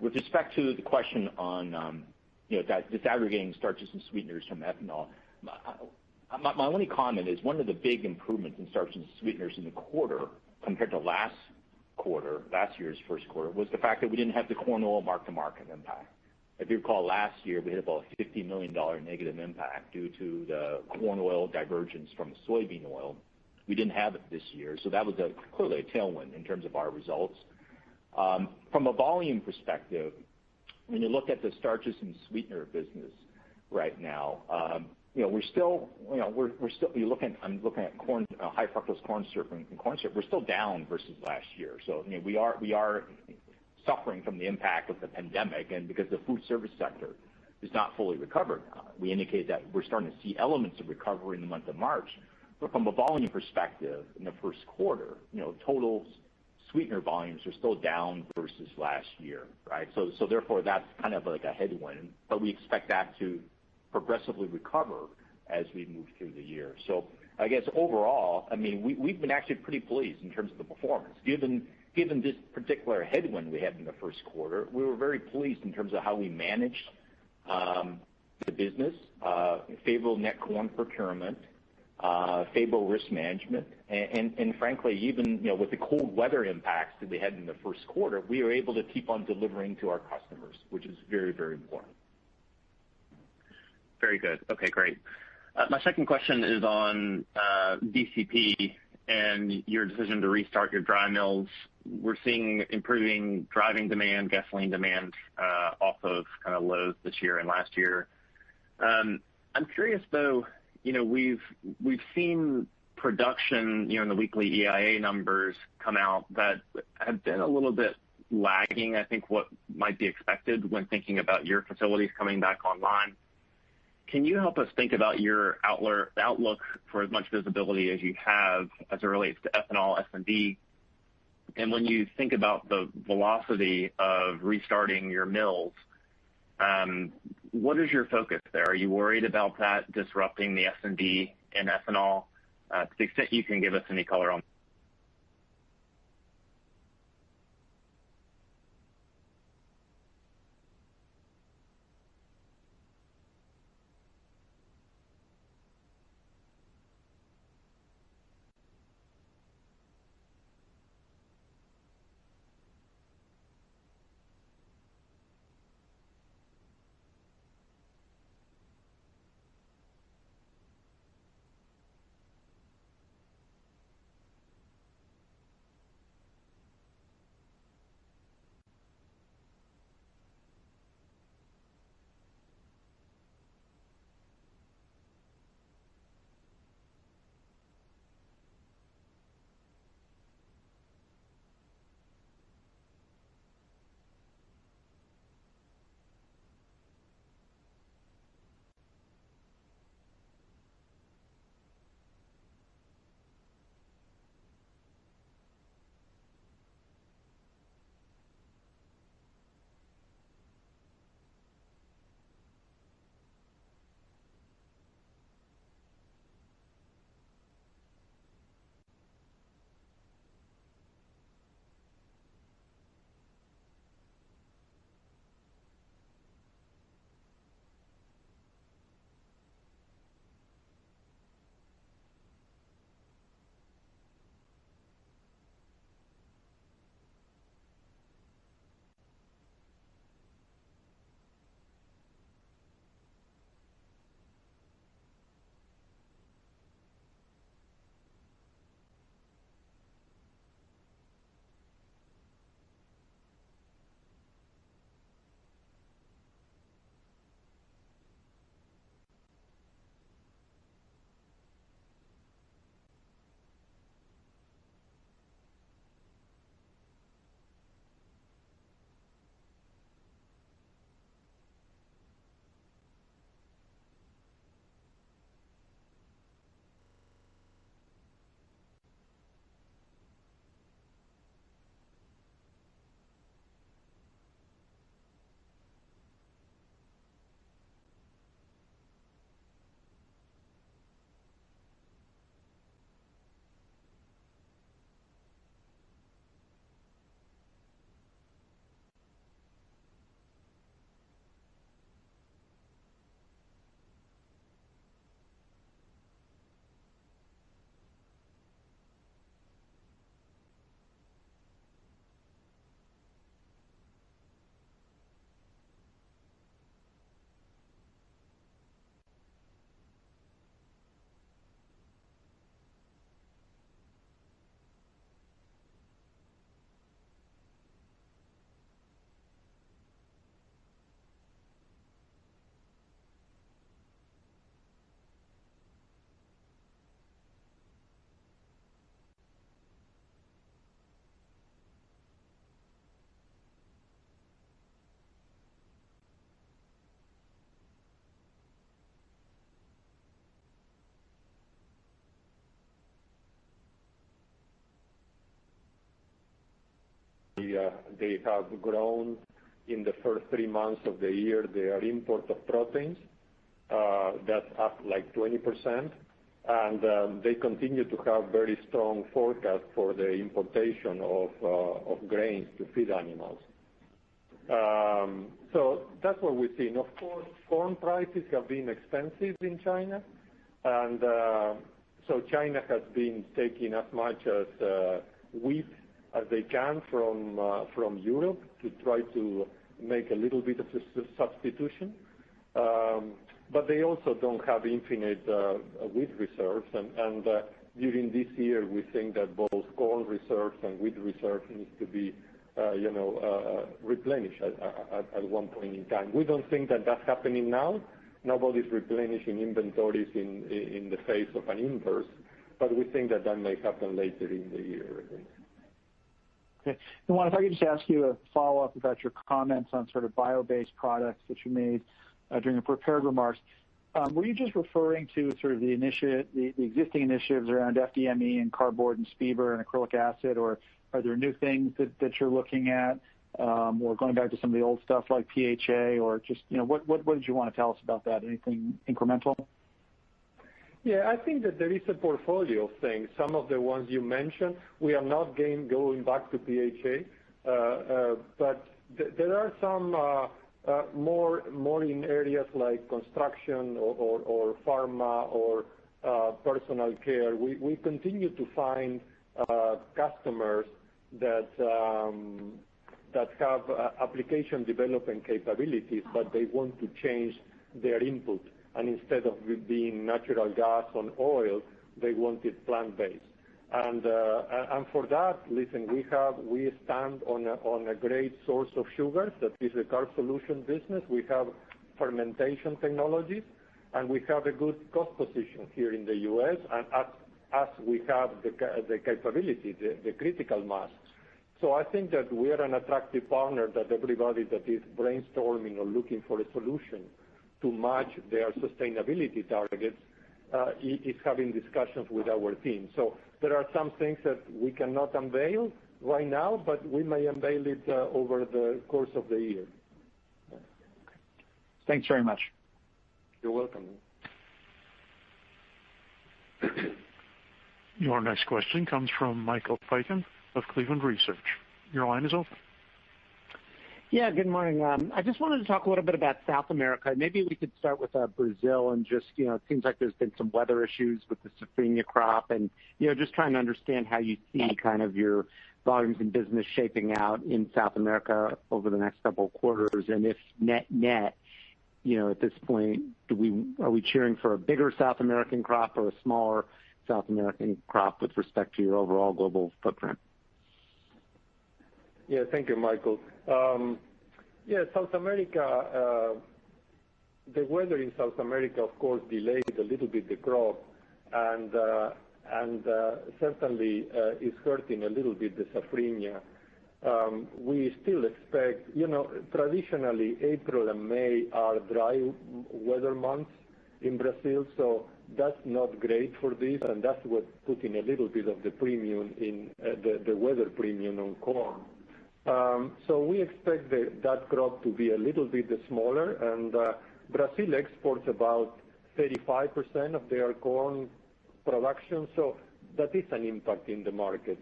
With respect to the question on disaggregating starches and sweeteners from ethanol, my only comment is one of the big improvements in starches and sweeteners in the quarter. quarter, last year's first quarter, was the fact that we didn't have the corn oil mark-to-market impact. If you recall last year, we had about a $50 million negative impact due to the corn oil divergence from the soybean oil. We didn't have it this year. That was clearly a tailwind in terms of our results. From a volume perspective, when you look at the starches and sweetener business right now, I'm looking at high fructose corn syrup and corn syrup. We're still down versus last year. We are suffering from the impact of the pandemic and because the food service sector is not fully recovered. We indicate that we're starting to see elements of recovery in the month of March. From a volume perspective in the first quarter, total sweetener volumes are still down versus last year, right? Therefore, that's kind of a headwind, but we expect that to progressively recover as we move through the year. I guess overall, we've been actually pretty pleased in terms of the performance. Given this particular headwind we had in the first quarter, we were very pleased in terms of how we managed the business. Favorable net corn procurement, favorable risk management, and frankly, even with the cold weather impacts that we had in the first quarter, we were able to keep on delivering to our customers, which is very important. Very good. Okay, great. My second question is on DCO and your decision to restart your dry mills. We're seeing improving driving demand, gasoline demand off of lows this year and last year. I'm curious though, we've seen production in the weekly EIA numbers come out that have been a little bit lagging, I think, what might be expected when thinking about your facilities coming back online. Can you help us think about your outlook for as much visibility as you have as it relates to ethanol S&D? When you think about the velocity of restarting your mills, what is your focus there? Are you worried about that disrupting the S&D and ethanol to the extent you can give us any color on that? They have grown in the first three months of the year their import of proteins. That's up like 20%. They continue to have very strong forecast for the importation of grains to feed animals. That's what we're seeing. Of course, corn prices have been expensive in China has been taking as much wheat as they can from Europe to try to make a little bit of a substitution. They also don't have infinite wheat reserves. During this year, we think that both corn reserves and wheat reserves needs to be replenished at one point in time. We don't think that that's happening now. Nobody's replenishing inventories in the face of an inverse. We think that that may happen later in the year. Okay. Juan, if I could just ask you a follow-up about your comments on sort of bio-based products that you made during the prepared remarks. Were you just referring to sort of the existing initiatives around FDME and cardboard and PBr3 and acrylic acid, or are there new things that you're looking at? Going back to some of the old stuff like PHA, or just what did you want to tell us about that? Anything incremental? Yeah, I think that there is a portfolio of things. Some of the ones you mentioned, we are not going back to PHA. There are some more in areas like construction or pharma or personal care. We continue to find customers that have application development capabilities, but they want to change their input. Instead of it being natural gas on oil, they want it plant-based. For that, listen, we stand on a great source of sugars. That is a carb solution business. We have fermentation technologies, and we have a good cost position here in the U.S., and as we have the capability, the critical mass. I think that we are an attractive partner that everybody that is brainstorming or looking for a solution to match their sustainability targets is having discussions with our team. There are some things that we cannot unveil right now, but we may unveil it over the course of the year. Thanks very much. You're welcome. Your next question comes from Michael Piken of Cleveland Research. Your line is open. Yeah. Good morning. I just wanted to talk a little bit about South America. Maybe we could start with Brazil and it seems like there's been some weather issues with the safrinha crop and just trying to understand how you see kind of your volumes in business shaping out in South America over the next couple of quarters. If net net, at this point, are we cheering for a bigger South American crop or a smaller South American crop with respect to your overall global footprint? Thank you, Michael. The weather in South America, of course, delayed a little bit the crop, and certainly, is hurting a little bit the safrinha. Traditionally, April and May are dry weather months in Brazil, so that's not great for this, and that's what putting a little bit of the weather premium on corn. We expect that crop to be a little bit smaller. Brazil exports about 35% of their corn production, so that is an impact in the market.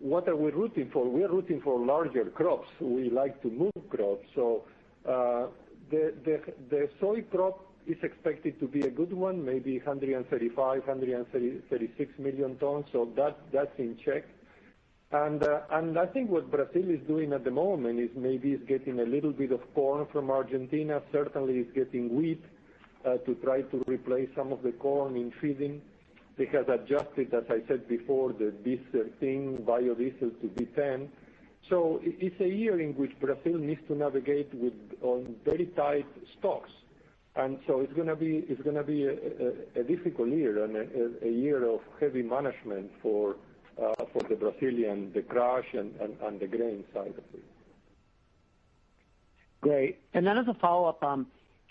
What are we rooting for? We are rooting for larger crops. We like to move crops. The soy crop is expected to be a good one, maybe 135 million-136 million tons. That's in check. I think what Brazil is doing at the moment is maybe is getting a little bit of corn from Argentina. Certainly is getting wheat, to try to replace some of the corn in feeding. They have adjusted, as I said before, the B13 biodiesel to B10. It's a year in which Brazil needs to navigate on very tight stocks. It's going to be a difficult year and a year of heavy management for the Brazilian, the crush and the grain side of it. Great. As a follow-up,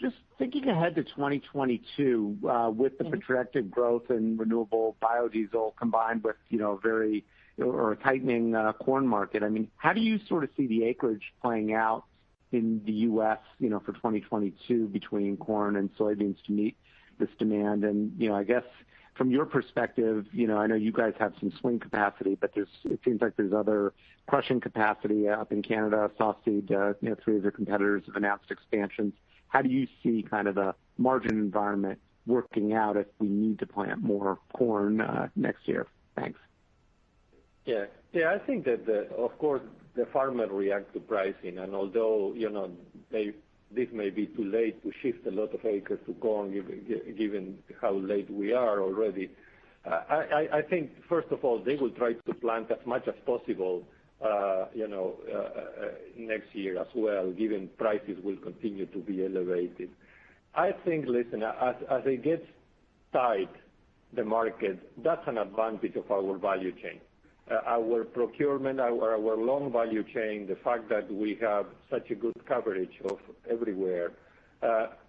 just thinking ahead to 2022, with the projected growth in renewable biodiesel combined with a tightening corn market, how do you sort of see the acreage playing out in the U.S. for 2022 between corn and soybeans to meet this demand? I guess from your perspective, I know you guys have some swing capacity, but it seems like there's other crushing capacity up in Canada. softseed, three of your competitors have announced expansions. How do you see kind of the margin environment working out if we need to plant more corn next year? Thanks. Yeah. I think that, of course, the farmer reacts to pricing, and although this may be too late to shift a lot of acres to corn given how late we are already, I think, first of all, they will try to plant as much as possible next year as well, given prices will continue to be elevated. I think, listen, as it gets tight, the market, that's an advantage of our value chain, our procurement, our long value chain, the fact that we have such a good coverage of everywhere.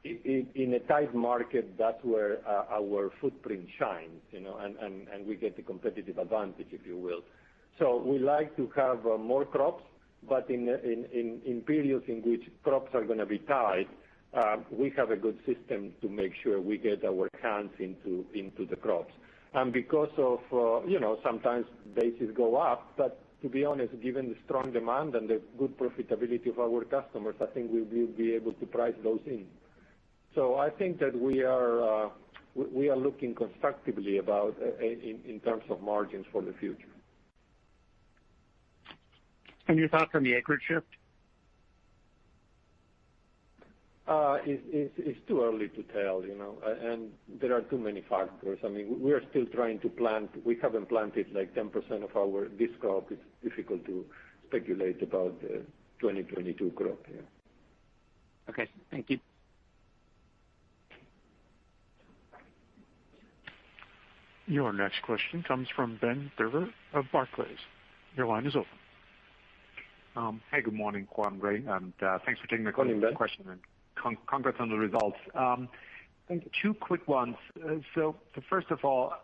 In a tight market, that's where our footprint shines, and we get the competitive advantage, if you will. We like to have more crops, but in periods in which crops are going to be tight, we have a good system to make sure we get our hands into the crops. Because of sometimes bases go up, but to be honest, given the strong demand and the good profitability of our customers, I think we will be able to price those in. I think that we are looking constructively in terms of margins for the future. Your thoughts on the acreage shift? It's too early to tell. There are too many factors. We are still trying to plant. We haven't planted 10% of this crop. It's difficult to speculate about the 2022 crop year. Okay. Thank you. Your next question comes from Ben Theurer of Barclays. Your line is open. Hey. Good morning, Juan, Ray, and thanks for taking. Good morning, Ben. question, and congrats on the results. Thank you. Two quick ones. First of all,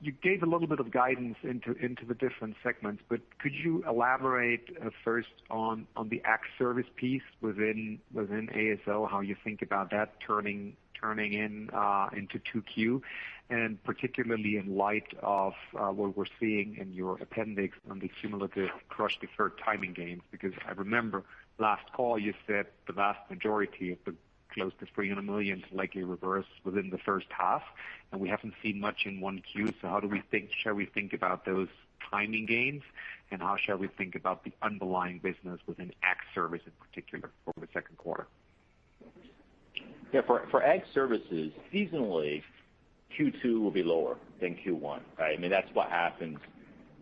you gave a little bit of guidance into the different segments, but could you elaborate first on the Ag Services piece within AS&O, how you think about that turning into 2Q, and particularly in light of what we're seeing in your appendix on the cumulative crush deferred timing gains? I remember last call, you said the vast majority of the close to $300 million is likely reversed within the first half, and we haven't seen much in 1Q. How shall we think about those timing gains, and how shall we think about the underlying business within Ag Services in particular for the second quarter? Yeah. For Ag Services, seasonally, Q2 will be lower than Q1, right? That's what happens.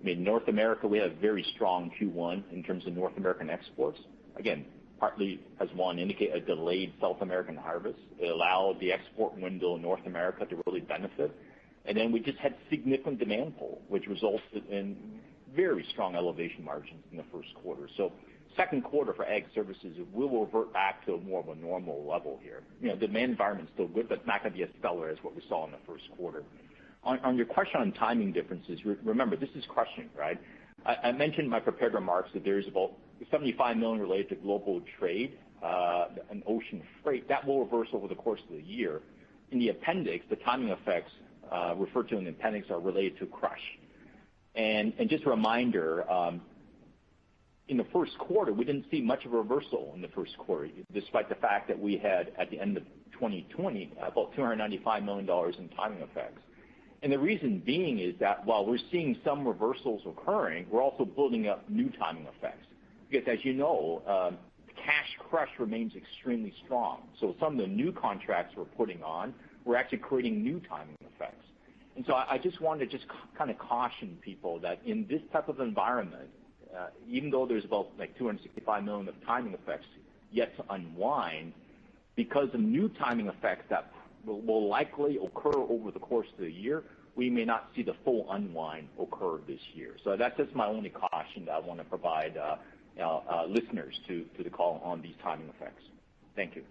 In North America, we had a very strong Q1 in terms of North American exports. Again, partly, as Juan indicated, a delayed South American harvest. It allowed the export window in North America to really benefit. We just had significant demand pull, which resulted in very strong elevation margins in the first quarter. Second quarter for Ag Services, it will revert back to more of a normal level here. The demand environment's still good, but it's not going to be as stellar as what we saw in the first quarter. On your question on timing differences, remember, this is crushing. I mentioned in my prepared remarks that there's about $75 million related to global trade, and ocean freight. That will reverse over the course of the year. In the appendix, the timing effects referred to in the appendix are related to crush. Just a reminder, in the first quarter, we didn't see much of a reversal in the first quarter, despite the fact that we had, at the end of 2020, about $295 million in timing effects. The reason being is that while we're seeing some reversals occurring, we're also building up new timing effects. As you know, cash crush remains extremely strong. Some of the new contracts we're putting on, we're actually creating new timing effects. I just wanted to kind of caution people that in this type of environment, even though there's about $265 million of timing effects yet to unwind, because of new timing effects that will likely occur over the course of the year, we may not see the full unwind occur this year. That's just my only caution that I want to provide listeners to the call on these timing effects. Thank you.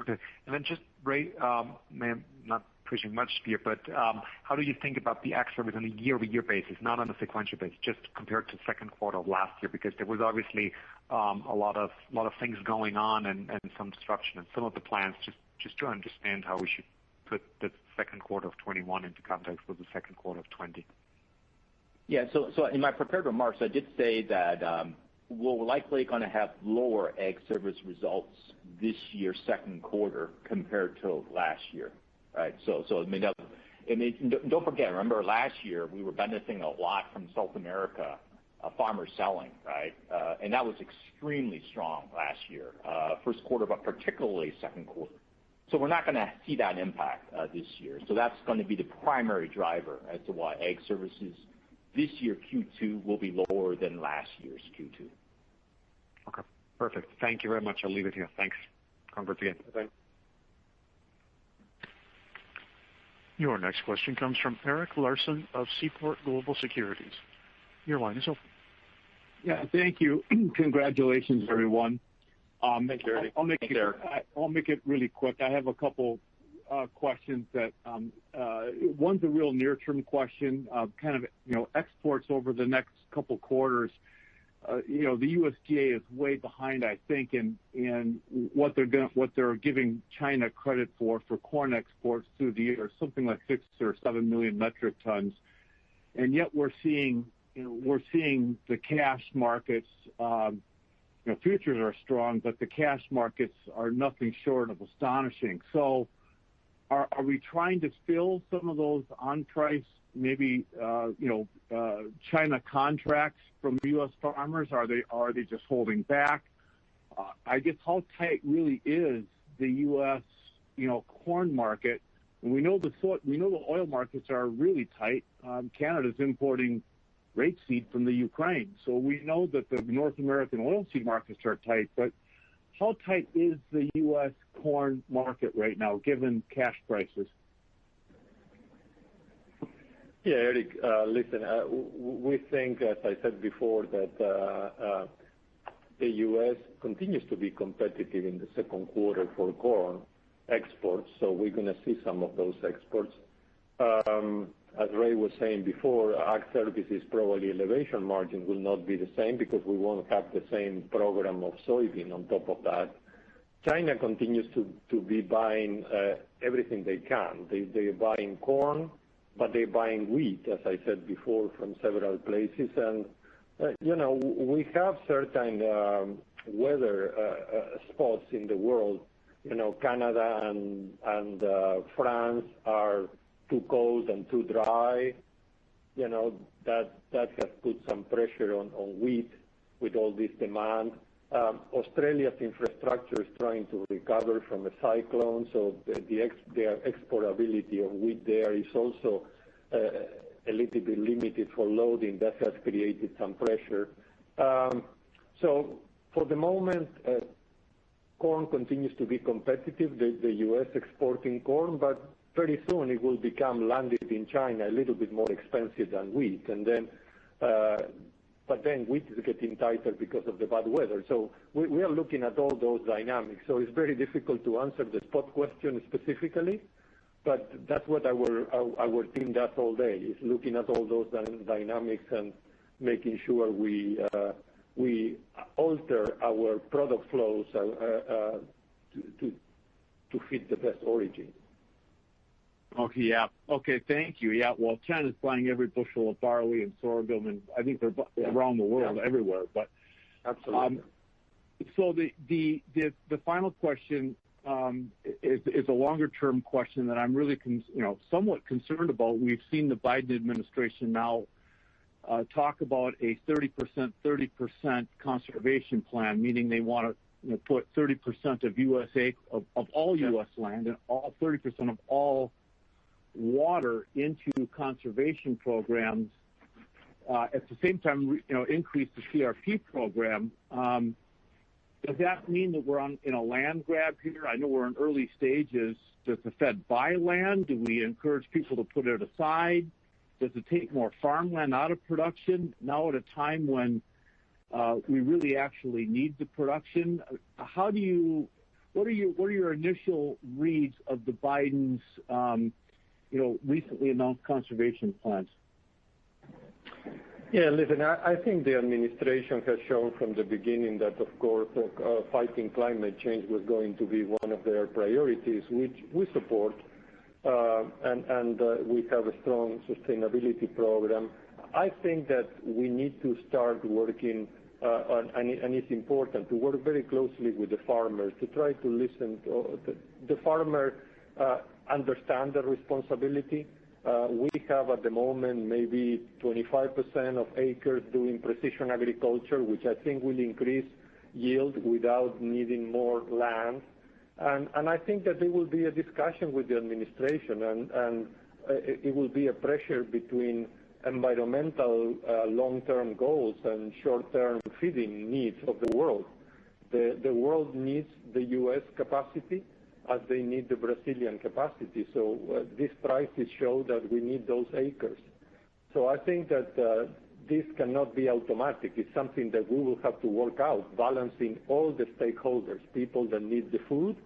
Okay. Just, Ray, not pushing much here, but how do you think about the Ag Services on a year-over-year basis, not on a sequential basis, just compared to second quarter of last year? There was obviously a lot of things going on and some disruption in some of the plants. Just to understand how we should put the second quarter of 2021 into context with the second quarter of 2020. In my prepared remarks, I did say that we're likely going to have lower Ag Services results this year, second quarter, compared to last year. Right? Don't forget, remember last year, we were benefiting a lot from South America farmers selling, right? That was extremely strong last year. First quarter, particularly second quarter. We're not going to see that impact this year. That's going to be the primary driver as to why Ag Services this year, Q2, will be lower than last year's Q2. Okay, perfect. Thank you very much. I'll leave it here. Thanks. Congrats again. Okay. Your next question comes from Eric Larson of Seaport Global Securities. Your line is open. Yeah. Thank you. Congratulations, everyone. Thanks, Eric. Thanks, Eric. I'll make it really quick. I have a couple questions that, one is a real near-term question, kind of exports over the next couple of quarters. The USDA is way behind, I think, in what they're giving China credit for corn exports through the year, something like six or seven million metric tons. Yet we're seeing the cash markets, futures are strong, but the cash markets are nothing short of astonishing. Are we trying to fill some of those on price maybe China contracts from the U.S. farmers? Are they just holding back? I guess how tight really is the U.S. corn market? We know the oil markets are really tight. Canada's importing rapeseed from the Ukraine. We know that the North American oil seed markets are tight, but how tight is the U.S. corn market right now, given cash prices? Yeah, Eric. Listen, we think, as I said before, that the U.S. continues to be competitive in the second quarter for corn exports, so we're going to see some of those exports. As Ray was saying before, Ag Services, probably elevation margin will not be the same because we won't have the same program of soybean on top of that. China continues to be buying everything they can. They're buying corn, but they're buying wheat, as I said before, from several places. We have certain weather spots in the world. Canada and France are too cold and too dry. That has put some pressure on wheat with all this demand. Australia's infrastructure is trying to recover from a cyclone, so their exportability of wheat there is also a little bit limited for loading. That has created some pressure. For the moment, corn continues to be competitive, the U.S. exporting corn, but pretty soon it will become landed in China, a little bit more expensive than wheat. Wheat is getting tighter because of the bad weather. We are looking at all those dynamics. It's very difficult to answer the spot question specifically, but that's what our team does all day, is looking at all those dynamics and making sure we alter our product flows to fit the best origin. Okay. Thank you. Yeah. Well, China's buying every bushel of barley and sorghum, I think they're around the world everywhere. Absolutely. The final question is a longer-term question that I'm really somewhat concerned about. We've seen the Biden administration now talk about a 30%/30% conservation plan, meaning they want to put 30% of all U.S. land and 30% of all water into conservation programs. At the same time, increase the CRP program. Does that mean that we're in a land grab here? I know we're in early stages. Does the Fed buy land? Do we encourage people to put it aside? Does it take more farmland out of production now at a time when we really actually need the production? What are your initial reads of the Biden's recently announced conservation plans? Yeah, listen, I think the administration has shown from the beginning that, of course, fighting climate change was going to be one of their priorities, which we support. We have a strong sustainability program. I think that we need to start working, and it's important to work very closely with the farmers to try to listen. The farmer understand the responsibility. We have at the moment, maybe 25% of acres doing precision agriculture, which I think will increase yield without needing more land. I think that there will be a discussion with the administration, and it will be a pressure between environmental long-term goals and short-term feeding needs of the world. The world needs the U.S. capacity as they need the Brazilian capacity. This crisis show that we need those acres. I think that this cannot be automatic. It's something that we will have to work out, balancing all the stakeholders, people that need the food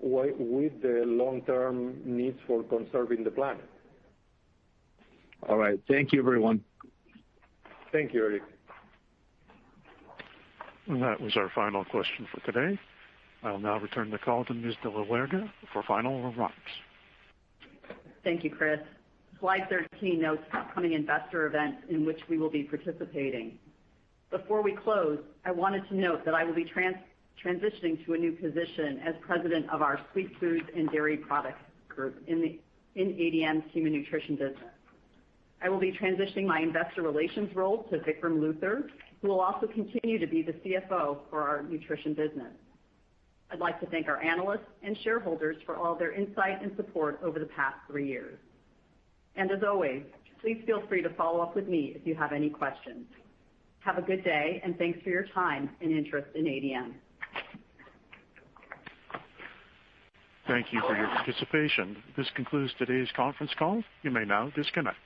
with the long-term needs for conserving the planet. All right. Thank you, everyone. Thank you, Eric. That was our final question for today. I'll now return the call to Ms. de la Huerga for final remarks. Thank you, Chris. Slide 13 notes upcoming investor events in which we will be participating. Before we close, I wanted to note that I will be transitioning to a new position as President of our Sweet Goods & Dairy Products Group in ADM's Human Nutrition business. I will be transitioning my investor relations role to Vikram Luthar, who will also continue to be the CFO for our Nutrition business. I'd like to thank our analysts and shareholders for all their insight and support over the past three years. As always, please feel free to follow up with me if you have any questions. Have a good day, and thanks for your time and interest in ADM. Thank you for your participation. This concludes today's conference call. You may now disconnect.